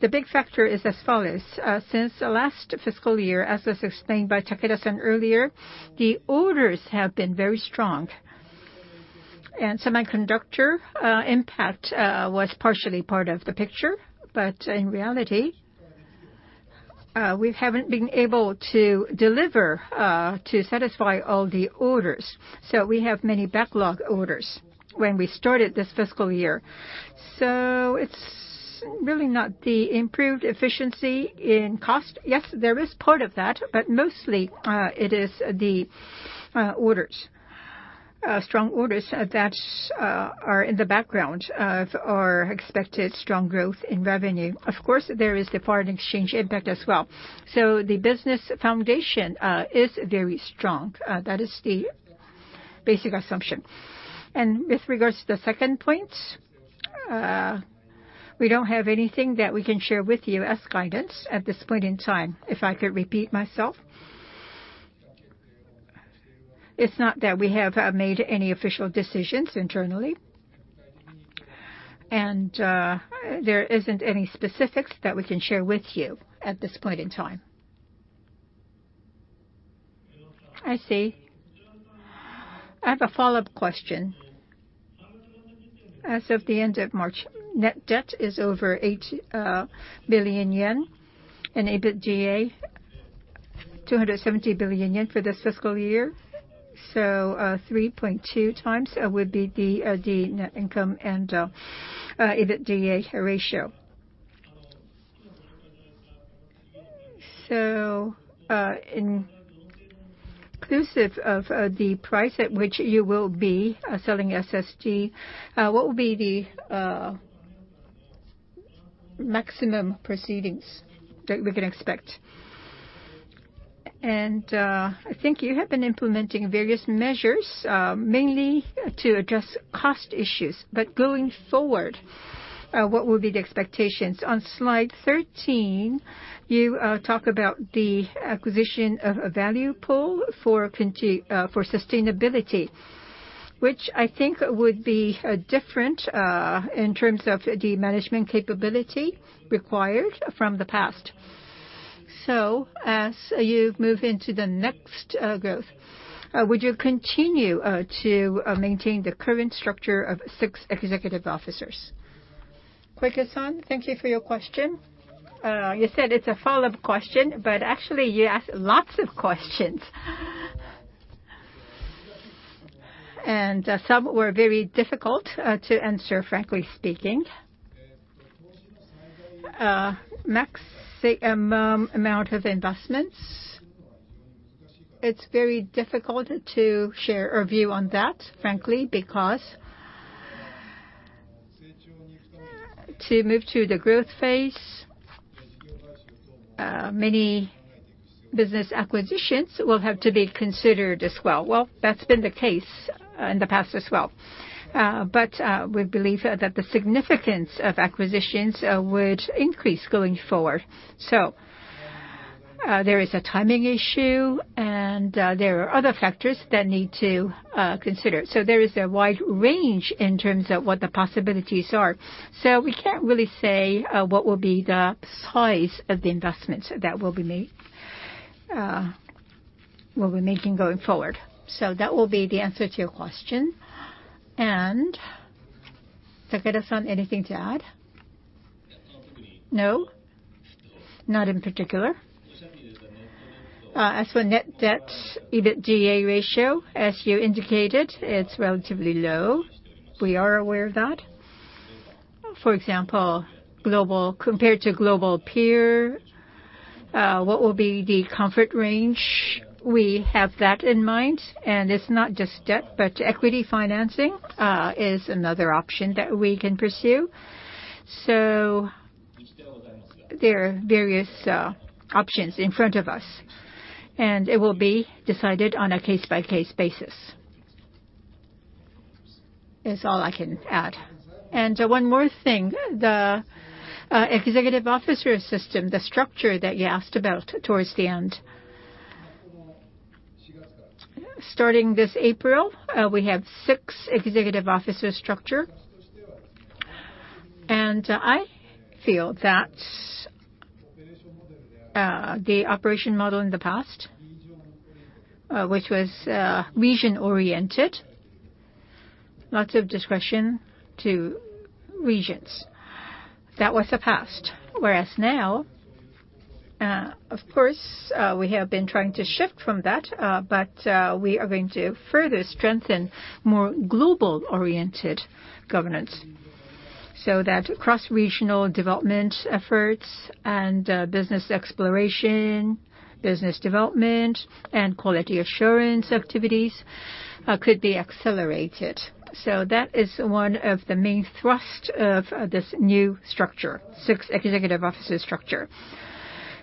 The big factor is as follows. Since last fiscal year, as was explained by Takeda-san earlier, the orders have been very strong. Semiconductor impact was partially part of the picture. In reality, we haven't been able to deliver to satisfy all the orders. We have many backlog orders when we started this fiscal year. It's really not the improved efficiency in cost. Yes, there is part of that, but mostly, it is the strong orders that are in the background of our expected strong growth in revenue. Of course, there is the foreign exchange impact as well. The business foundation is very strong. That is the basic assumption. With regards to the second point, we don't have anything that we can share with you as guidance at this point in time. If I could repeat myself, it's not that we have made any official decisions internally. There isn't any specifics that we can share with you at this point in time. I see. I have a follow-up question. As of the end of March, net debt is over 800 billion yen, and EBITDA 270 billion yen for this fiscal year. 3.2x would be the net debt to EBITDA ratio. Inclusive of the price at which you will be selling SSD, what will be the maximum proceeds that we can expect? I think you have been implementing various measures, mainly to address cost issues. Going forward, what will be the expectations? On slide 13, you talk about the acquisition of a value pool for sustainability, which I think would be different in terms of the management capability required from the past. As you move into the next growth, would you continue to maintain the current structure of six executive officers? Kawano-san, thank you for your question. You said it's a follow-up question, but actually you asked lots of questions. Some were very difficult to answer, frankly speaking. Maximum amount of investments, it's very difficult to share a view on that, frankly, because to move to the growth phase, many business acquisitions will have to be considered as well. Well, that's been the case in the past as well. We believe that the significance of acquisitions would increase going forward. There is a timing issue, and there are other factors that need to consider. There is a wide range in terms of what the possibilities are. We can't really say what will be the size of the investments that will be made, we'll be making going forward. That will be the answer to your question. Takeda-san, anything to add? No. Not in particular. As for net debt, EBITDA ratio, as you indicated, it's relatively low. We are aware of that. For example, compared to global peer, what will be the comfort range? We have that in mind, and it's not just debt, but equity financing is another option that we can pursue. There are various options in front of us, and it will be decided on a case-by-case basis. That's all I can add. One more thing, the executive officer system, the structure that you asked about towards the end. Starting this April, we have six executive officer structure. I feel that the operation model in the past, which was region-oriented, lots of discretion to regions. That was the past. Whereas now, of course, we have been trying to shift from that, but we are going to further strengthen more global-oriented governance, so that cross-regional development efforts and business exploration, business development, and quality assurance activities could be accelerated. That is one of the main thrust of this new structure, six executive officer structure.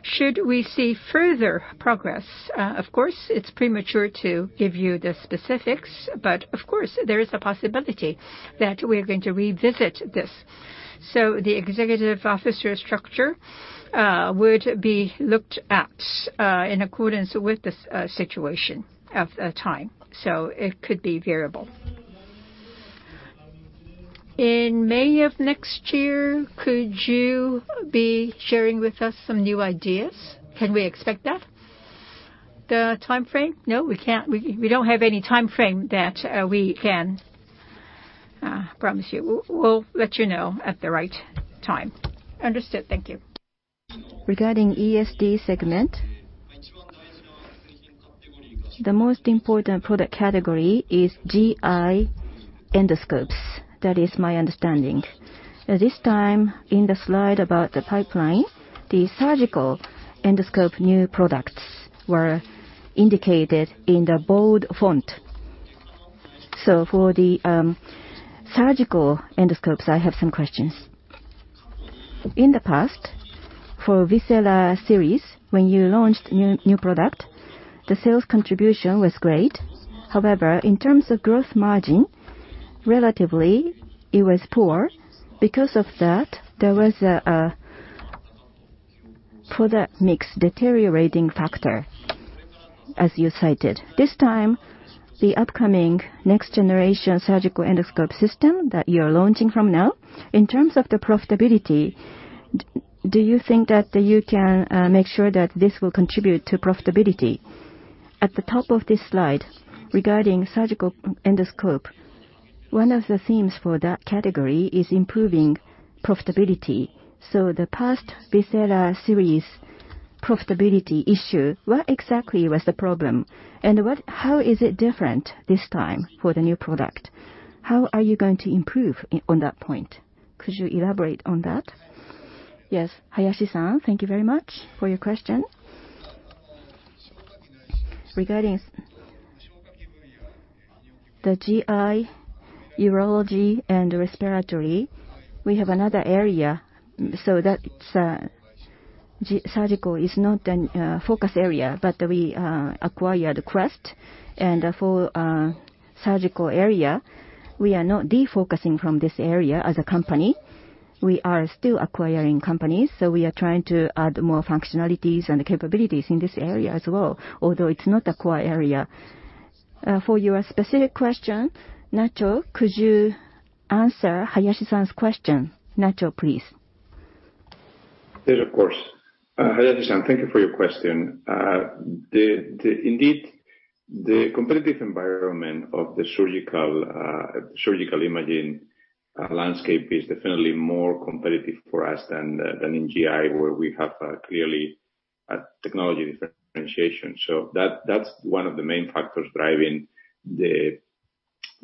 Should we see further progress? Of course, it's premature to give you the specifics, but of course, there is a possibility that we are going to revisit this. The executive officer structure would be looked at in accordance with the situation at the time, so it could be variable. In May of next year, could you be sharing with us some new ideas? Can we expect that, the timeframe? No, we can't. We don't have any timeframe that we can promise you. We'll let you know at the right time. Understood. Thank you. Regarding ESD segment. The most important product category is GI endoscopes. That is my understanding. At this time, in the slide about the pipeline, the surgical endoscope new products were indicated in the bold font. For the surgical endoscopes, I have some questions. In the past, for VISERA Series, when you launched new product, the sales contribution was great. However, in terms of gross margin, relatively it was poor. Because of that, there was product mix deteriorating factor, as you cited. This time, the upcoming next-generation surgical endoscope system that you're launching from now, in terms of the profitability, do you think that you can make sure that this will contribute to profitability? At the top of this slide, regarding surgical endoscope, one of the themes for that category is improving profitability. The past VISERA Series profitability issue, what exactly was the problem? How is it different this time for the new product? How are you going to improve on that point? Could you elaborate on that? Yes. Hayashi-san, thank you very much for your question. Regarding the GI, urology, and respiratory, we have another area. General surgical is not a focus area, but we acquired Quest. For the surgical area, we are not defocusing from this area as a company. We are still acquiring companies, so we are trying to add more functionalities and capabilities in this area as well, although it's not a core area. For your specific question, Nacho, could you answer Hayashi-san's question? Nacho, please. Yes, of course. Hayashi-san, thank you for your question. The indeed, the competitive environment of the surgical surgical imaging landscape is definitely more competitive for us than in GI, where we have clearly a technology differentiation. That, that's one of the main factors driving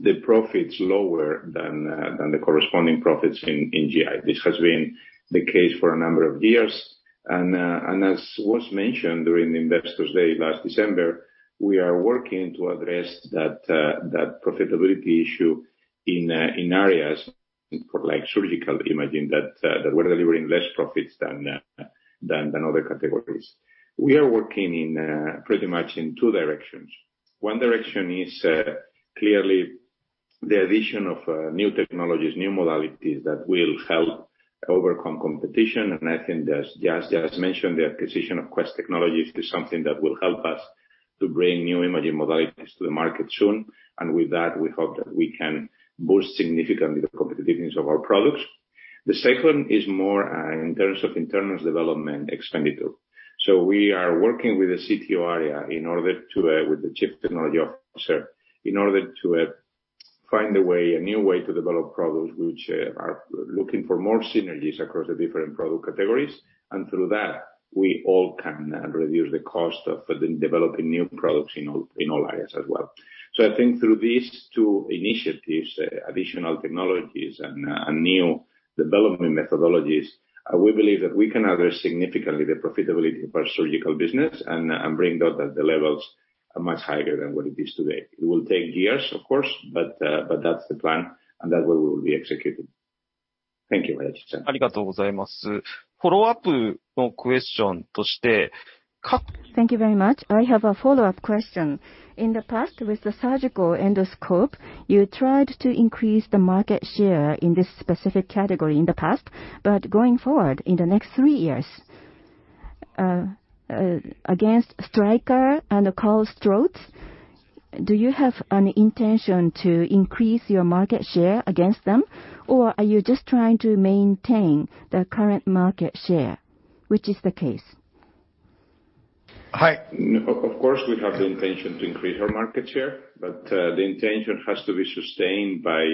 the profits lower than the corresponding profits in GI. This has been the case for a number of years. As was mentioned during the Investor Day last December, we are working to address that profitability issue in areas for like surgical imaging that we're delivering less profits than other categories. We are working in pretty much two directions. One direction is clearly the addition of new technologies, new modalities that will help overcome competition. I think as Jas mentioned, the acquisition of Quest Technologies is something that will help us to bring new imaging modalities to the market soon. With that, we hope that we can boost significantly the competitiveness of our products. The second is more in terms of internal development expenditure. We are working with the CTO area with the Chief Technology Officer in order to find a way, a new way to develop products which are looking for more synergies across the different product categories. Through that, we all can reduce the cost of developing new products in all areas as well. I think through these two initiatives, additional technologies and new development methodologies, we believe that we can address significantly the profitability of our surgical business and bring that at the levels much higher than what it is today. It will take years, of course, but that's the plan, and that we will be executing. Thank you very much. Thank you very much. I have a follow-up question. In the past, with the surgical endoscope, you tried to increase the market share in this specific category in the past. Going forward in the next three years, against Stryker and KARL STORZ, do you have an intention to increase your market share against them? Or are you just trying to maintain the current market share? Which is the case? Of course, we have the intention to increase our market share, but the intention has to be sustained by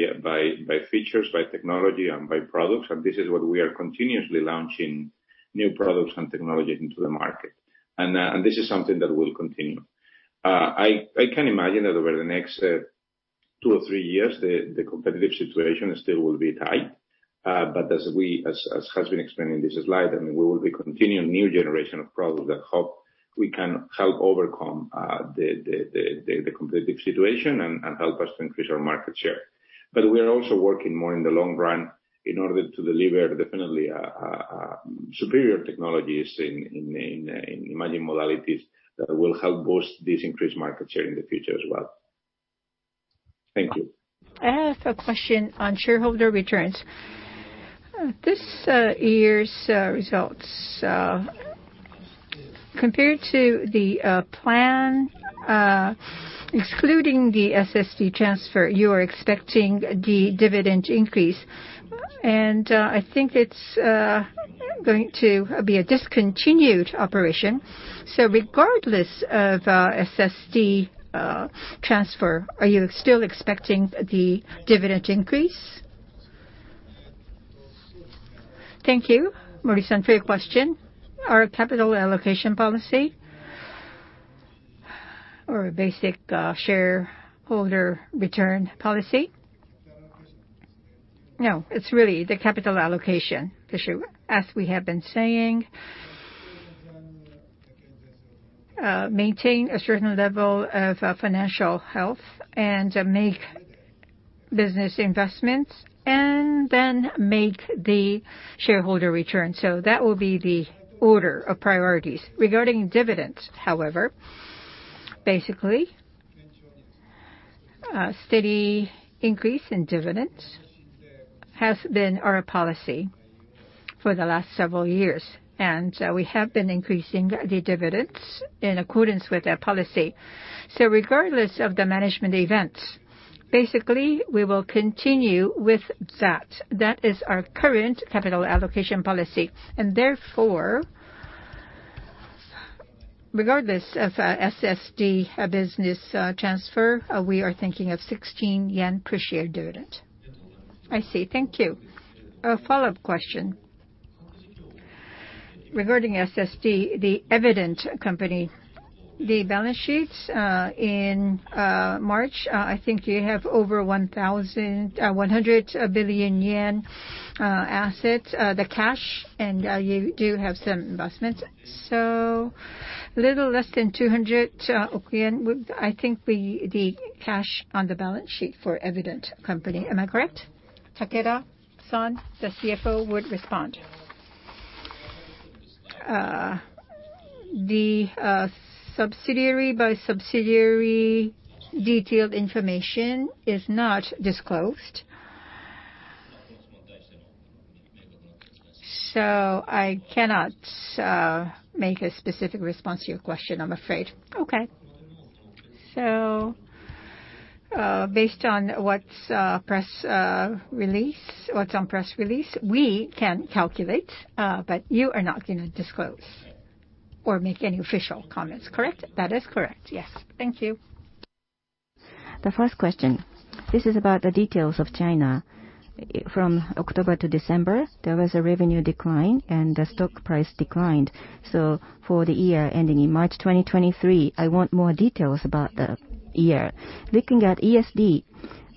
features, by technology, and by products. This is what we are continuously launching new products and technologies into the market. This is something that will continue. I can imagine that over the next two or three years, the competitive situation still will be tight. As has been explained in this slide, I mean, we will be continuing new generation of products that help us overcome the competitive situation and help us to increase our market share. We are also working more in the long run in order to deliver definitely superior technologies in imaging modalities that will help boost this increased market share in the future as well. Thank you. I have a question on shareholder returns. This year's results compared to the plan, excluding the SSD transfer, you are expecting the dividend increase. I think it's going to be a discontinued operation. Regardless of SSD transfer, are you still expecting the dividend increase? Thank you, Morrison, for your question. Our capital allocation policy or basic shareholder return policy. No, it's really the capital allocation issue. As we have been saying, maintain a certain level of financial health and make business investments and then make the shareholder return. That will be the order of priorities. Regarding dividends, however, basically, steady increase in dividends has been our policy for the last several years, and we have been increasing the dividends in accordance with that policy. Regardless of the management events, basically, we will continue with that. That is our current capital allocation policy. Therefore, regardless of SSD business transfer, we are thinking of 16 yen per share dividend. I see. Thank you. A follow-up question. Regarding SSD, the Evident company, the balance sheets in March, I think you have over 1,100 billion yen assets, the cash, and you do have some investments. A little less than 200 yen, I think the cash on the balance sheet for Evident company. Am I correct? Takeda-san, the CFO, would respond. The subsidiary by subsidiary detailed information is not disclosed. I cannot make a specific response to your question, I'm afraid. Okay. Based on what's on press release, we can calculate, but you are not going to disclose or make any official comments, correct? That is correct, yes. Thank you. The first question is about the details of China. From October-December, there was a revenue decline, and the stock price declined. For the year ending in March 2023, I want more details about the year. Looking at ESD,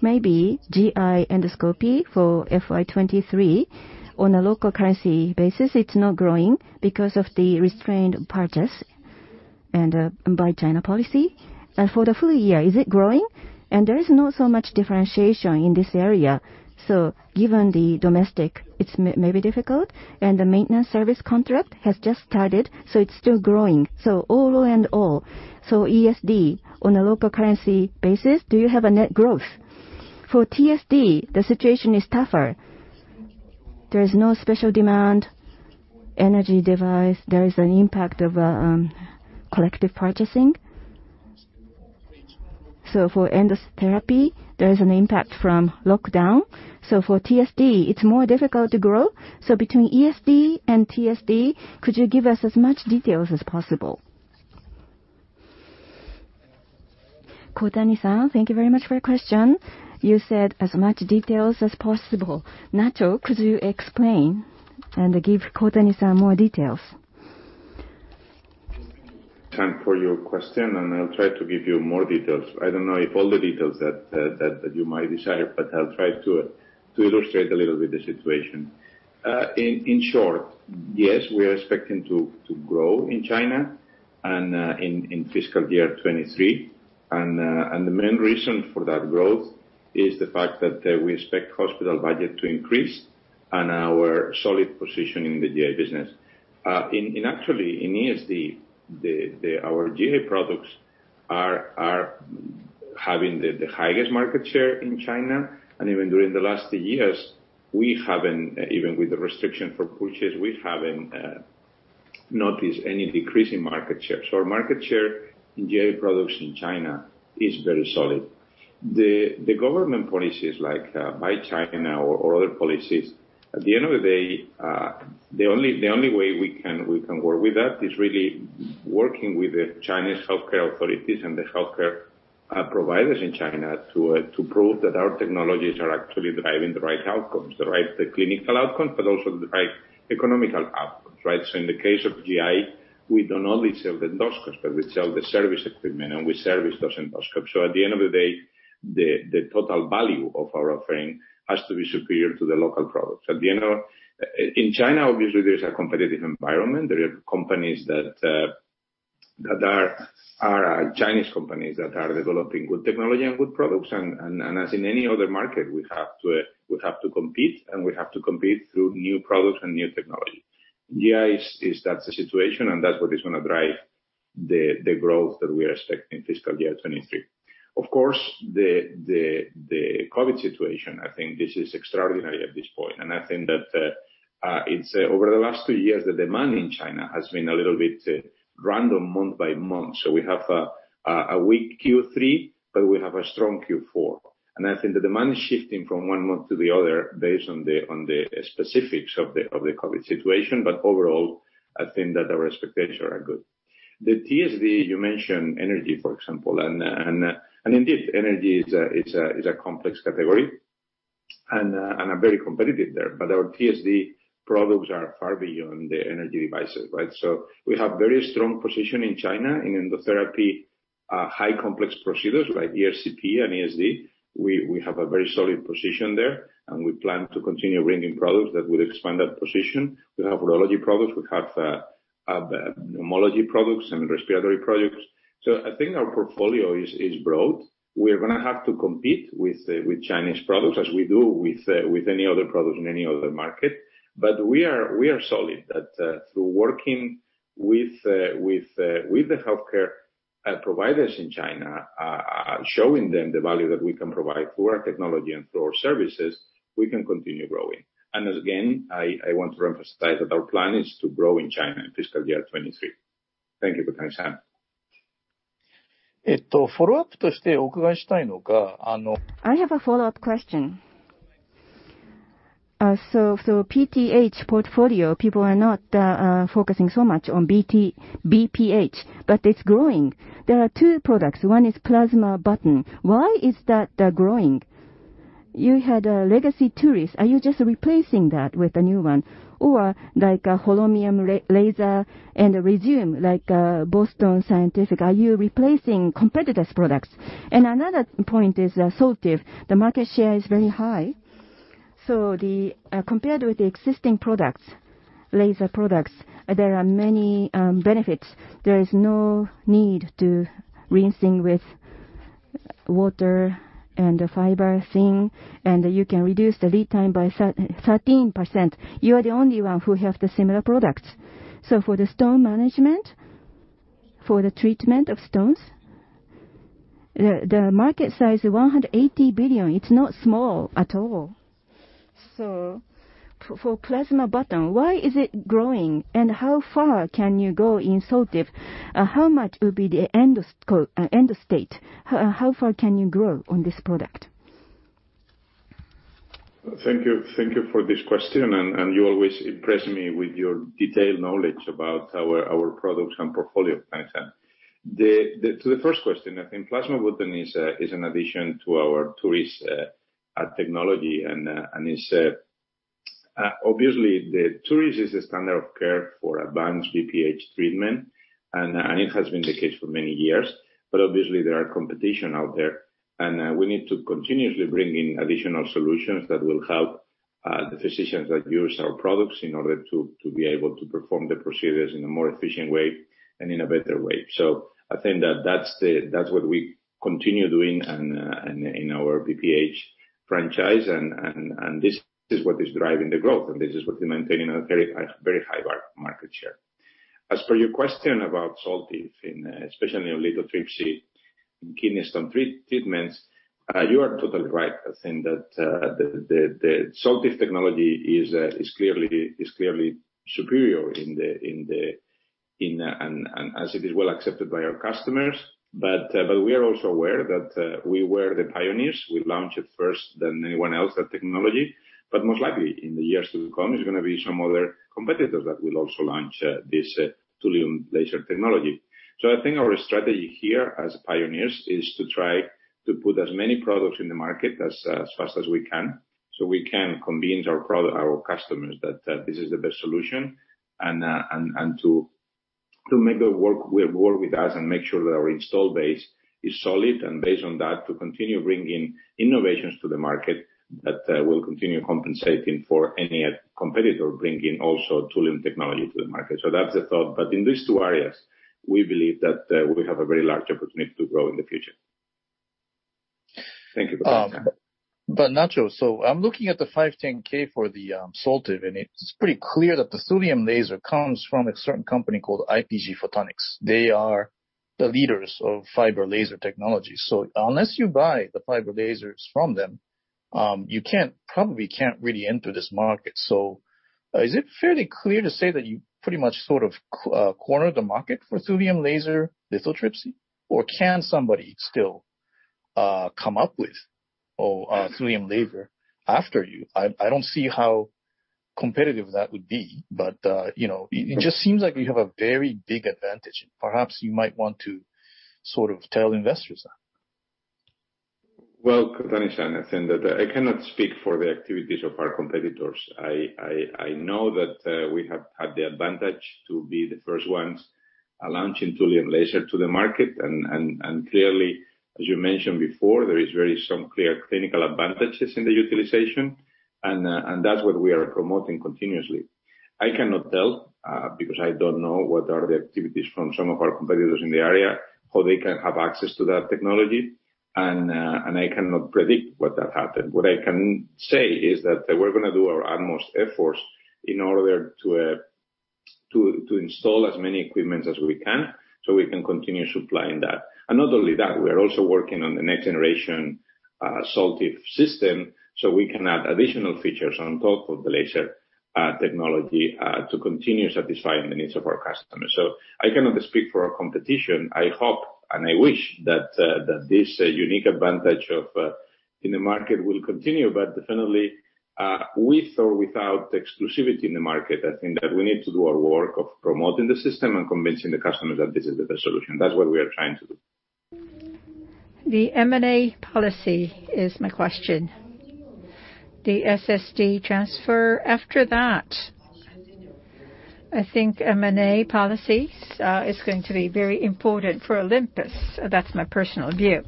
maybe GI endoscopy for FY2023 on a local currency basis, it's not growing because of the restrained purchase and by China policy. For the full year, is it growing? There is not so much differentiation in this area. Given the domestic, it's maybe difficult. The maintenance service contract has just started, so it's still growing. All in all, ESD on a local currency basis, do you have a net growth? For TSD, the situation is tougher. There is no special demand. Energy device, there is an impact of collective purchasing. For endotherapy, there is an impact from lockdown. For TSD, it's more difficult to grow. Between ESD and TSD, could you give us as much details as possible? Kohtani-san, thank you very much for your question. You said as much details as possible. Nacho, could you explain and give Kohtani-san more details. Thank you for your question, and I'll try to give you more details. I don't know if all the details that you might desire, but I'll try to illustrate a little bit the situation. In short, yes, we are expecting to grow in China and in fiscal year 2023. The main reason for that growth is the fact that we expect hospital budget to increase and our solid position in the GI business. Actually, in ESD, our GI products are having the highest market share in China. Even during the last years, we haven't, even with the restriction for purchase, noticed any decrease in market share. Our market share in GI products in China is very solid. The government policies like by China or other policies, at the end of the day, the only way we can work with that is really working with the Chinese healthcare authorities and the healthcare providers in China to prove that our technologies are actually driving the right outcomes. The right clinical outcomes, but also the right economic outcomes, right? In the case of GI, we don't only sell the endoscopes, but we sell the service equipment and we service those endoscopes. At the end of the day, the total value of our offering has to be superior to the local products. In China, obviously, there's a competitive environment. There are Chinese companies that are developing good technology and good products. As in any other market, we have to compete, and we have to compete through new products and new technology. GI is that's the situation, and that's what is gonna drive the growth that we are expecting in fiscal year 2023. Of course, the COVID situation, I think this is extraordinary at this point. I think that it's over the last two years, the demand in China has been a little bit random month by month. So we have a weak Q3, but we have a strong Q4. I think the demand is shifting from one month to the other based on the specifics of the COVID situation. But overall, I think that our expectations are good. The TSD, you mentioned energy, for example. Indeed, energy is a complex category and we are very competitive there. Our TSD products are far beyond the energy devices, right? We have a very strong position in China, in endotherapy, highly complex procedures like ERCP and ESD. We have a very solid position there, and we plan to continue bringing products that will expand that position. We have urology products. We have pneumology products and respiratory products. I think our portfolio is broad. We're gonna have to compete with Chinese products as we do with any other products in any other market. We are solid. Through working with the healthcare providers in China, showing them the value that we can provide through our technology and through our services, we can continue growing. I want to emphasize that our plan is to grow in China in fiscal year 2023. Thank you, Kohtani-san. I have a follow-up question. So BPH portfolio, people are not focusing so much on BPH, but it's growing. There are two products. One is PlasmaButton. Why is that growing? You had a legacy TURis. Are you just replacing that with a new one? Or like a holmium laser and a Rezūm like Boston Scientific. Are you replacing competitors' products? Another point is Soltive. The market share is very high. So compared with the existing products, laser products, there are many benefits. There is no need to rinsing with water and a fiber thing. You can reduce the lead time by 13%. You are the only one who have the similar product. So for the stone management, for the treatment of stones, the market size is 180 billion. It's not small at all. For PlasmaButton, why is it growing, and how far can you go in Soltive? How much will be the end state? How far can you grow on this product? Thank you for this question. You always impress me with your detailed knowledge about our products and portfolio, Kohtani. To the first question, I think PlasmaButton is an addition to our TURis technology. It's obviously the TURis is the standard of care for advanced BPH treatment. It has been the case for many years. But obviously there are competition out there. We need to continuously bring in additional solutions that will help the physicians that use our products in order to be able to perform the procedures in a more efficient way and in a better way. I think that's what we continue doing and in our BPH franchise and this is what is driving the growth, and this is what we maintain a very high market share. As per your question about Soltive, and especially in lithotripsy in kidney stone treatments, you are totally right. I think that the Soltive technology is clearly superior in the. As it is well accepted by our customers. But we are also aware that we were the pioneers. We launched it first than anyone else, that technology. But most likely in the years to come, there's gonna be some other competitors that will also launch this thulium laser technology. I think our strategy here as pioneers is to try to put as many products in the market as fast as we can, so we can convince our customers that this is the best solution. To make it work with us and make sure that our installed base is solid, and based on that, to continue bringing innovations to the market that will continue compensating for any competitor bringing also thulium technology to the market. That's the thought. In these two areas, we believe that we have a very large opportunity to grow in the future. Thank you for the time. Nacho, I'm looking at the 510(k) for the Soltive, and it's pretty clear that the thulium laser comes from a certain company called IPG Photonics. They are the leaders of fiber laser technology. Unless you buy the fiber lasers from them, you can't, probably can't really enter this market. Is it fairly clear to say that you pretty much sort of cornered the market for thulium laser lithotripsy? Or can somebody still come up with a thulium laser after you? I don't see how competitive that would be, but you know, it just seems like you have a very big advantage. Perhaps you might want to sort of tell investors that. Well, thank you, Shane. I think that I cannot speak for the activities of our competitors. I know that we have had the advantage to be the first ones launching thulium laser to the market. Clearly, as you mentioned before, there are some very clear clinical advantages in the utilization, and that's what we are promoting continuously. I cannot tell because I don't know what are the activities from some of our competitors in the area, how they can have access to that technology, and I cannot predict what will happen. What I can say is that we're gonna do our utmost efforts in order to install as many equipment as we can, so we can continue supplying that. Not only that, we are also working on the next generation Soltive system, so we can add additional features on top of the laser technology to continue satisfying the needs of our customers. I cannot speak for our competition. I hope and I wish that this unique advantage of in the market will continue. Definitely, with or without exclusivity in the market, I think that we need to do our work of promoting the system and convincing the customer that this is the best solution. That's what we are trying to do. The M&A policy is my question. The ESD transfer after that, I think M&A policy, is going to be very important for Olympus. That's my personal view.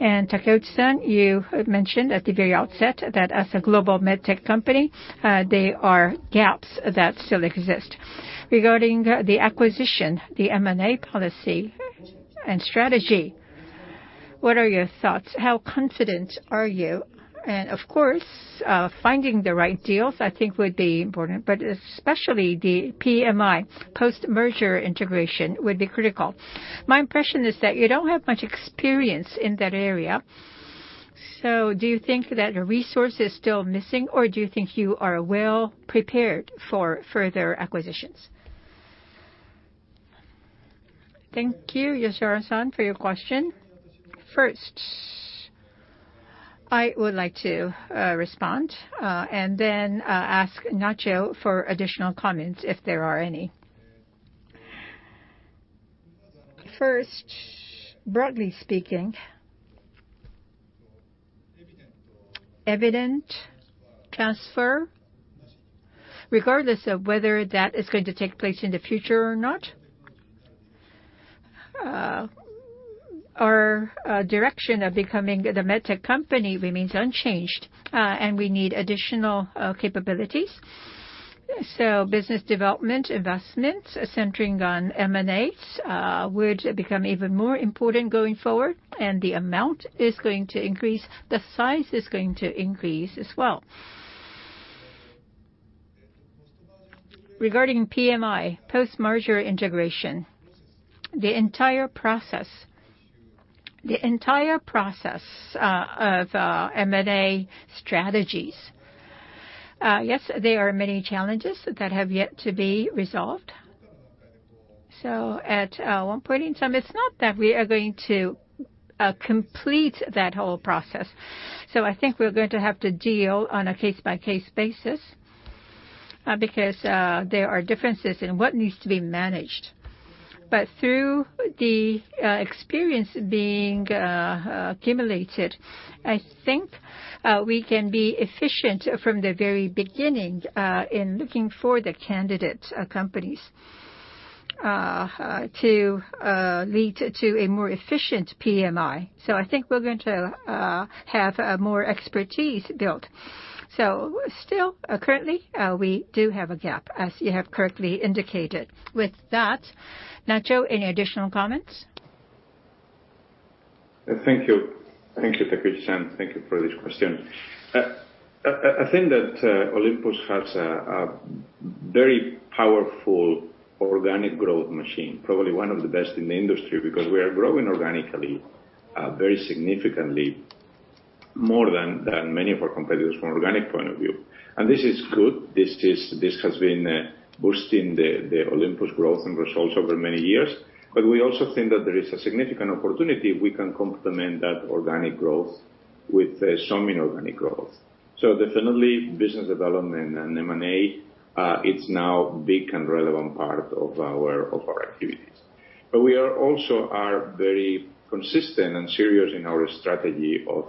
Takeuchi-san, you mentioned at the very outset that as a global med tech company, there are gaps that still exist. Regarding the acquisition, the M&A policy and strategy, what are your thoughts? How confident are you? Of course, finding the right deals, I think would be important, but especially the PMI, post-merger integration, would be critical. My impression is that you don't have much experience in that area. Do you think that resource is still missing, or do you think you are well prepared for further acquisitions? Thank you, Yashara-san, for your question. First, I would like to respond, and then ask Nacho Abia for additional comments, if there are any. First, broadly speaking, Evident transfer, regardless of whether that is going to take place in the future or not, our direction of becoming the med tech company remains unchanged, and we need additional capabilities. Business development investments centering on M&As would become even more important going forward, and the amount is going to increase. The size is going to increase as well. Regarding PMI, post-merger integration, the entire process of M&A strategies, yes, there are many challenges that have yet to be resolved. At one point in time, it's not that we are going to complete that whole process. I think we're going to have to deal on a case-by-case basis, because there are differences in what needs to be managed. Through the experience being accumulated, I think we can be efficient from the very beginning in looking for the candidate companies to lead to a more efficient PMI. I think we're going to have more expertise built. Still, currently, we do have a gap, as you have correctly indicated. With that, Nacho, any additional comments? Thank you. Thank you, Takeda-san. Thank you for this question. I think that Olympus has a very powerful organic growth machine, probably one of the best in the industry, because we are growing organically very significantly more than many of our competitors from organic point of view. This is good. This has been boosting the Olympus growth and results over many years. We also think that there is a significant opportunity we can complement that organic growth with some inorganic growth. Definitely business development and M&A, it's now a big and relevant part of our activities. We are also very consistent and serious in our strategy of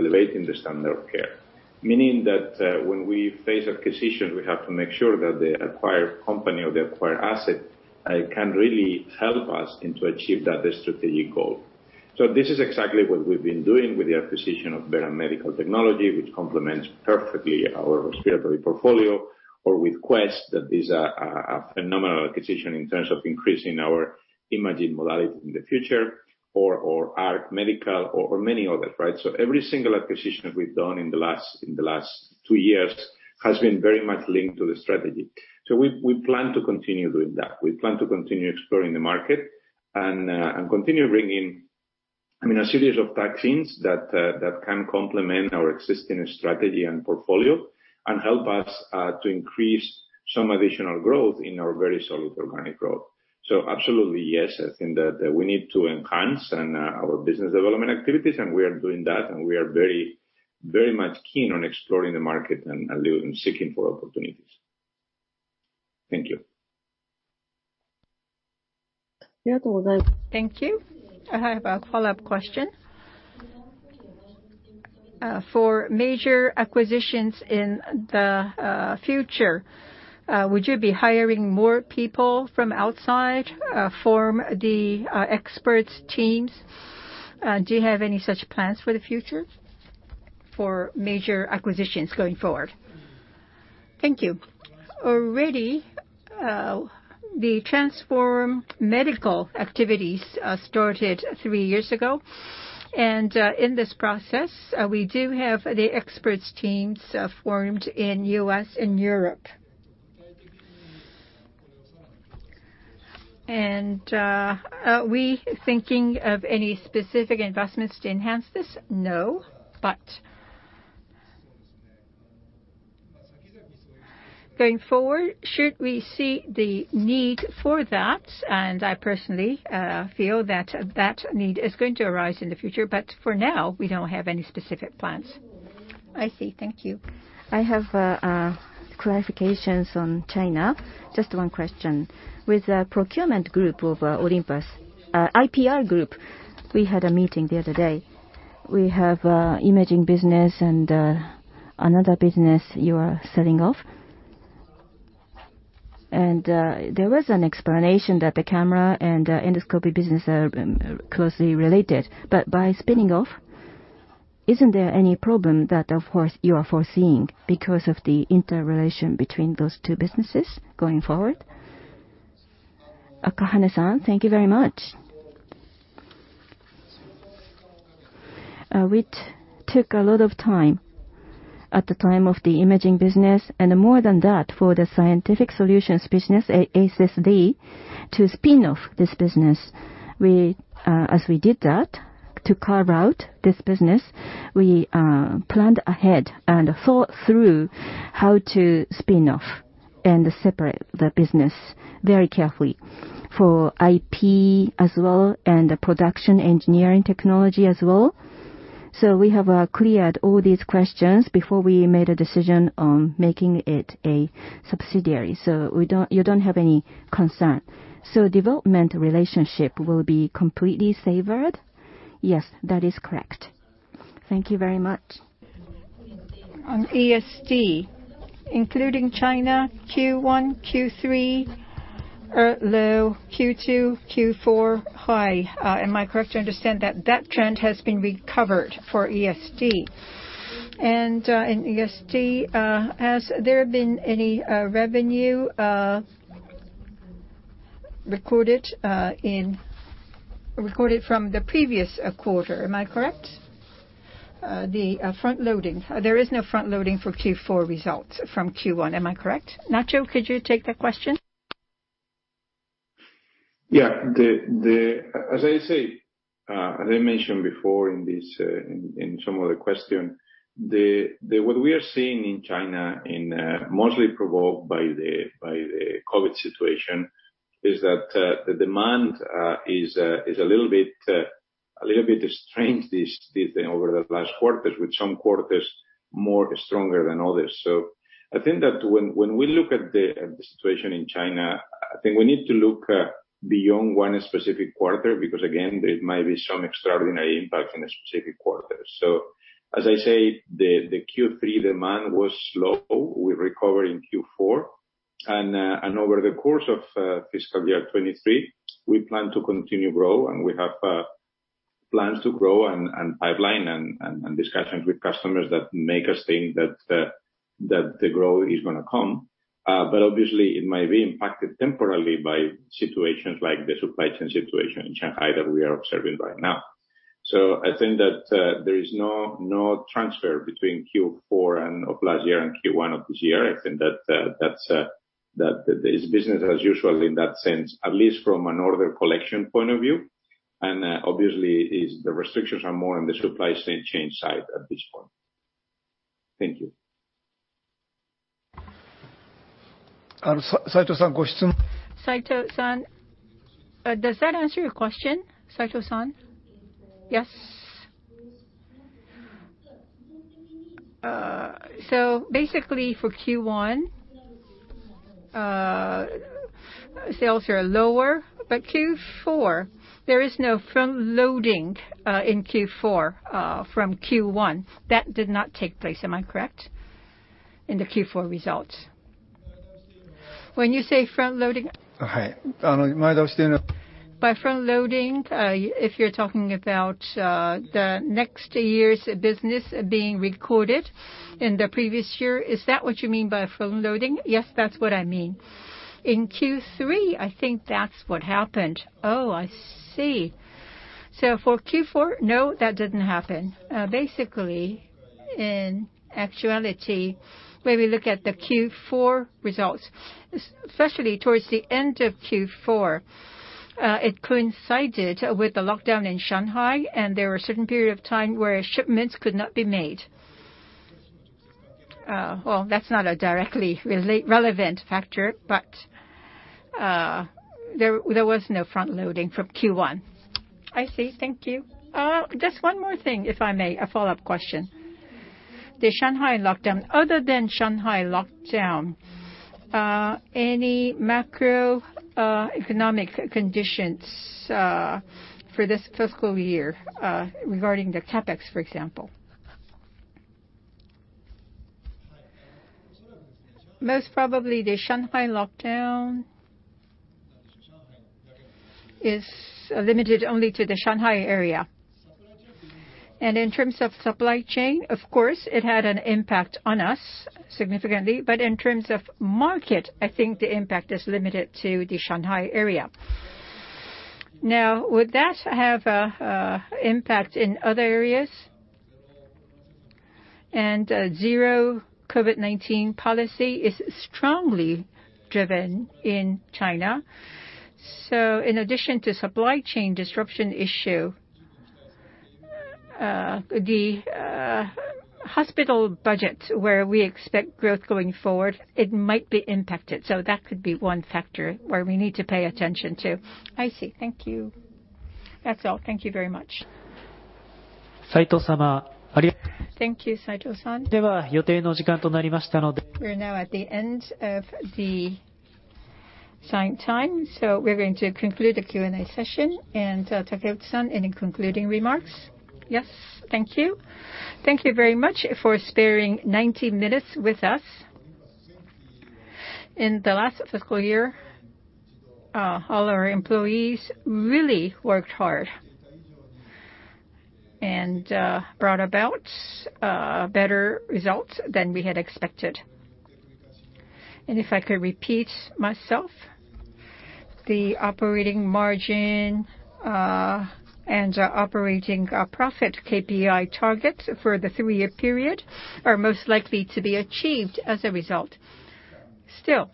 elevating the standard of care. Meaning that, when we face acquisition, we have to make sure that the acquired company or the acquired asset can really help us and to achieve that strategic goal. This is exactly what we've been doing with the acquisition of Veran Medical Technologies, which complements perfectly our respiratory portfolio or with Quest, that is a phenomenal acquisition in terms of increasing our imaging modality in the future or Arc Medical Design or many others, right? Every single acquisition we've done in the last two years has been very much linked to the strategy. We plan to continue doing that. We plan to continue exploring the market and continue bringing, I mean, a series of acquisitions that can complement our existing strategy and portfolio and help us to increase some additional growth in our very solid organic growth. Absolutely, yes, I think that we need to enhance and our business development activities, and we are doing that, and we are very, very much keen on exploring the market and seeking for opportunities. Thank you. Thank you. I have a follow-up question. For major acquisitions in the future, would you be hiring more people from outside to form the expert teams? Do you have any such plans for the future for major acquisitions going forward? Thank you. Already, the Transform Olympus activities started three years ago. In this process, we do have the expert teams formed in the U.S. and Europe. Are we thinking of any specific investments to enhance this? No. But going forward, should we see the need for that, and I personally feel that that need is going to arise in the future, but for now, we don't have any specific plans. I see. Thank you. I have clarifications on China. Just one question. With the procurement group of Olympus IR group, we had a meeting the other day. We have imaging business and another business you are selling off. There was an explanation that the camera and endoscopy business are closely related. But by spinning off, isn't there any problem that, of course, you are foreseeing because of the interrelation between those two businesses going forward? Akahane-san, thank you very much. Which took a lot of time at the time of the imaging business, and more than that, for the scientific solutions business, SSD, to spin off this business. As we did that, to carve out this business, we planned ahead and thought through how to spin off and separate the business very carefully for IP as well, and the production engineering technology as well. We have cleared all these questions before we made a decision on making it a subsidiary. You don't have any concern. Development relationship will be completely severed? Yes, that is correct. Thank you very much. On ESD, including China Q1, Q3 low, Q2, Q4 high, am I correct to understand that that trend has been recovered for ESD? In ESD, has there been any revenue recorded from the previous quarter? Am I correct? There is no front loading for Q4 results from Q1. Am I correct? Nacho, could you take that question? Yeah. The, as I say, as I mentioned before in this, in some other question, the what we are seeing in China, in, mostly provoked by the COVID situation, is that the demand is a little bit strange this over the last quarters, with some quarters more stronger than others. I think that when we look at the situation in China, I think we need to look beyond one specific quarter, because again, there might be some extraordinary impact in a specific quarter. As I say, the Q3 demand was low. We recover in Q4. Over the course of fiscal year 2023, we plan to continue grow, and we have plans to grow and pipeline and discussions with customers that make us think that the growth is gonna come, but obviously it might be impacted temporarily by situations like the supply chain situation in Shanghai that we are observing right now. I think that there is no transfer between Q4 of last year and Q1 of this year. I think that that is business as usual in that sense, at least from an order collection point of view. Obviously, the restrictions are more on the supply chain side at this point. Thank you. Saito-san, does that answer your question, Saito-san? Yes? So basically for Q1, sales are lower, but Q4 there is no front-loading in Q4 from Q1. That did not take place, am I correct, in the Q4 results? When you say front-loading? By front-loading, if you're talking about the next year's business being recorded in the previous year, is that what you mean by front-loading? Yes, that's what I mean. In Q3, I think that's what happened. Oh, I see. So for Q4, no, that didn't happen. Basically, in actuality, when we look at the Q4 results, especially towards the end of Q4, it coincided with the lockdown in Shanghai, and there were a certain period of time where shipments could not be made. Well, that's not a directly relevant factor, but there was no front-loading from Q1. I see. Thank you. Just one more thing, if I may, a follow-up question. The Shanghai lockdown. Other than Shanghai lockdown, any macroeconomic conditions, for this fiscal year, regarding the CapEx, for example? Most probably the Shanghai lockdown is limited only to the Shanghai area. In terms of supply chain, of course, it had an impact on us significantly. In terms of market, I think the impact is limited to the Shanghai area. Now, would that have an impact in other areas? Zero COVID-19 policy is strongly driven in China. In addition to supply chain disruption issue, the hospital budget where we expect growth going forward, it might be impacted, so that could be one factor where we need to pay attention to. I see. Thank you. That's all. Thank you very much. Thank you, Saito-san. We're now at the end of the assigned time, so we're going to conclude the Q&A session. Takeuchi-san, any concluding remarks? Yes. Thank you. Thank you very much for sparing 90 minutes with us. In the last fiscal year, all our employees really worked hard and brought about better results than we had expected. If I could repeat myself, the operating margin and operating profit KPI targets for the three-year period are most likely to be achieved as a result. Still,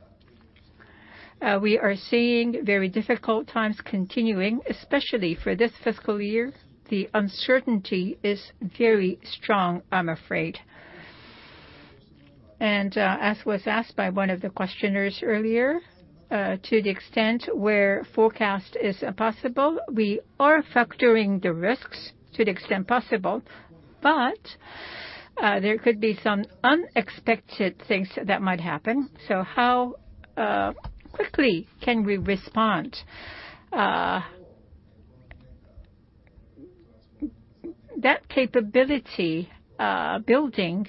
we are seeing very difficult times continuing, especially for this fiscal year. The uncertainty is very strong, I'm afraid. As was asked by one of the questioners earlier, to the extent where forecast is impossible, we are factoring the risks to the extent possible, but there could be some unexpected things that might happen. How quickly can we respond? That capability building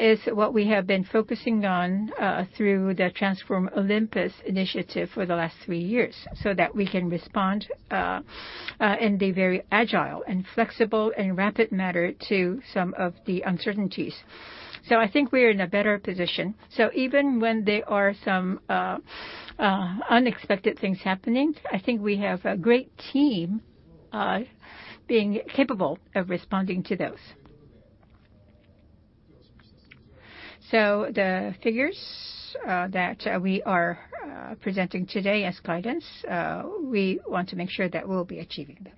is what we have been focusing on through the Transform Olympus initiative for the last three years, so that we can respond in a very agile and flexible and rapid manner to some of the uncertainties. I think we are in a better position. Even when there are some unexpected things happening, I think we have a great team being capable of responding to those. The figures that we are presenting today as guidance, we want to make sure that we'll be achieving them.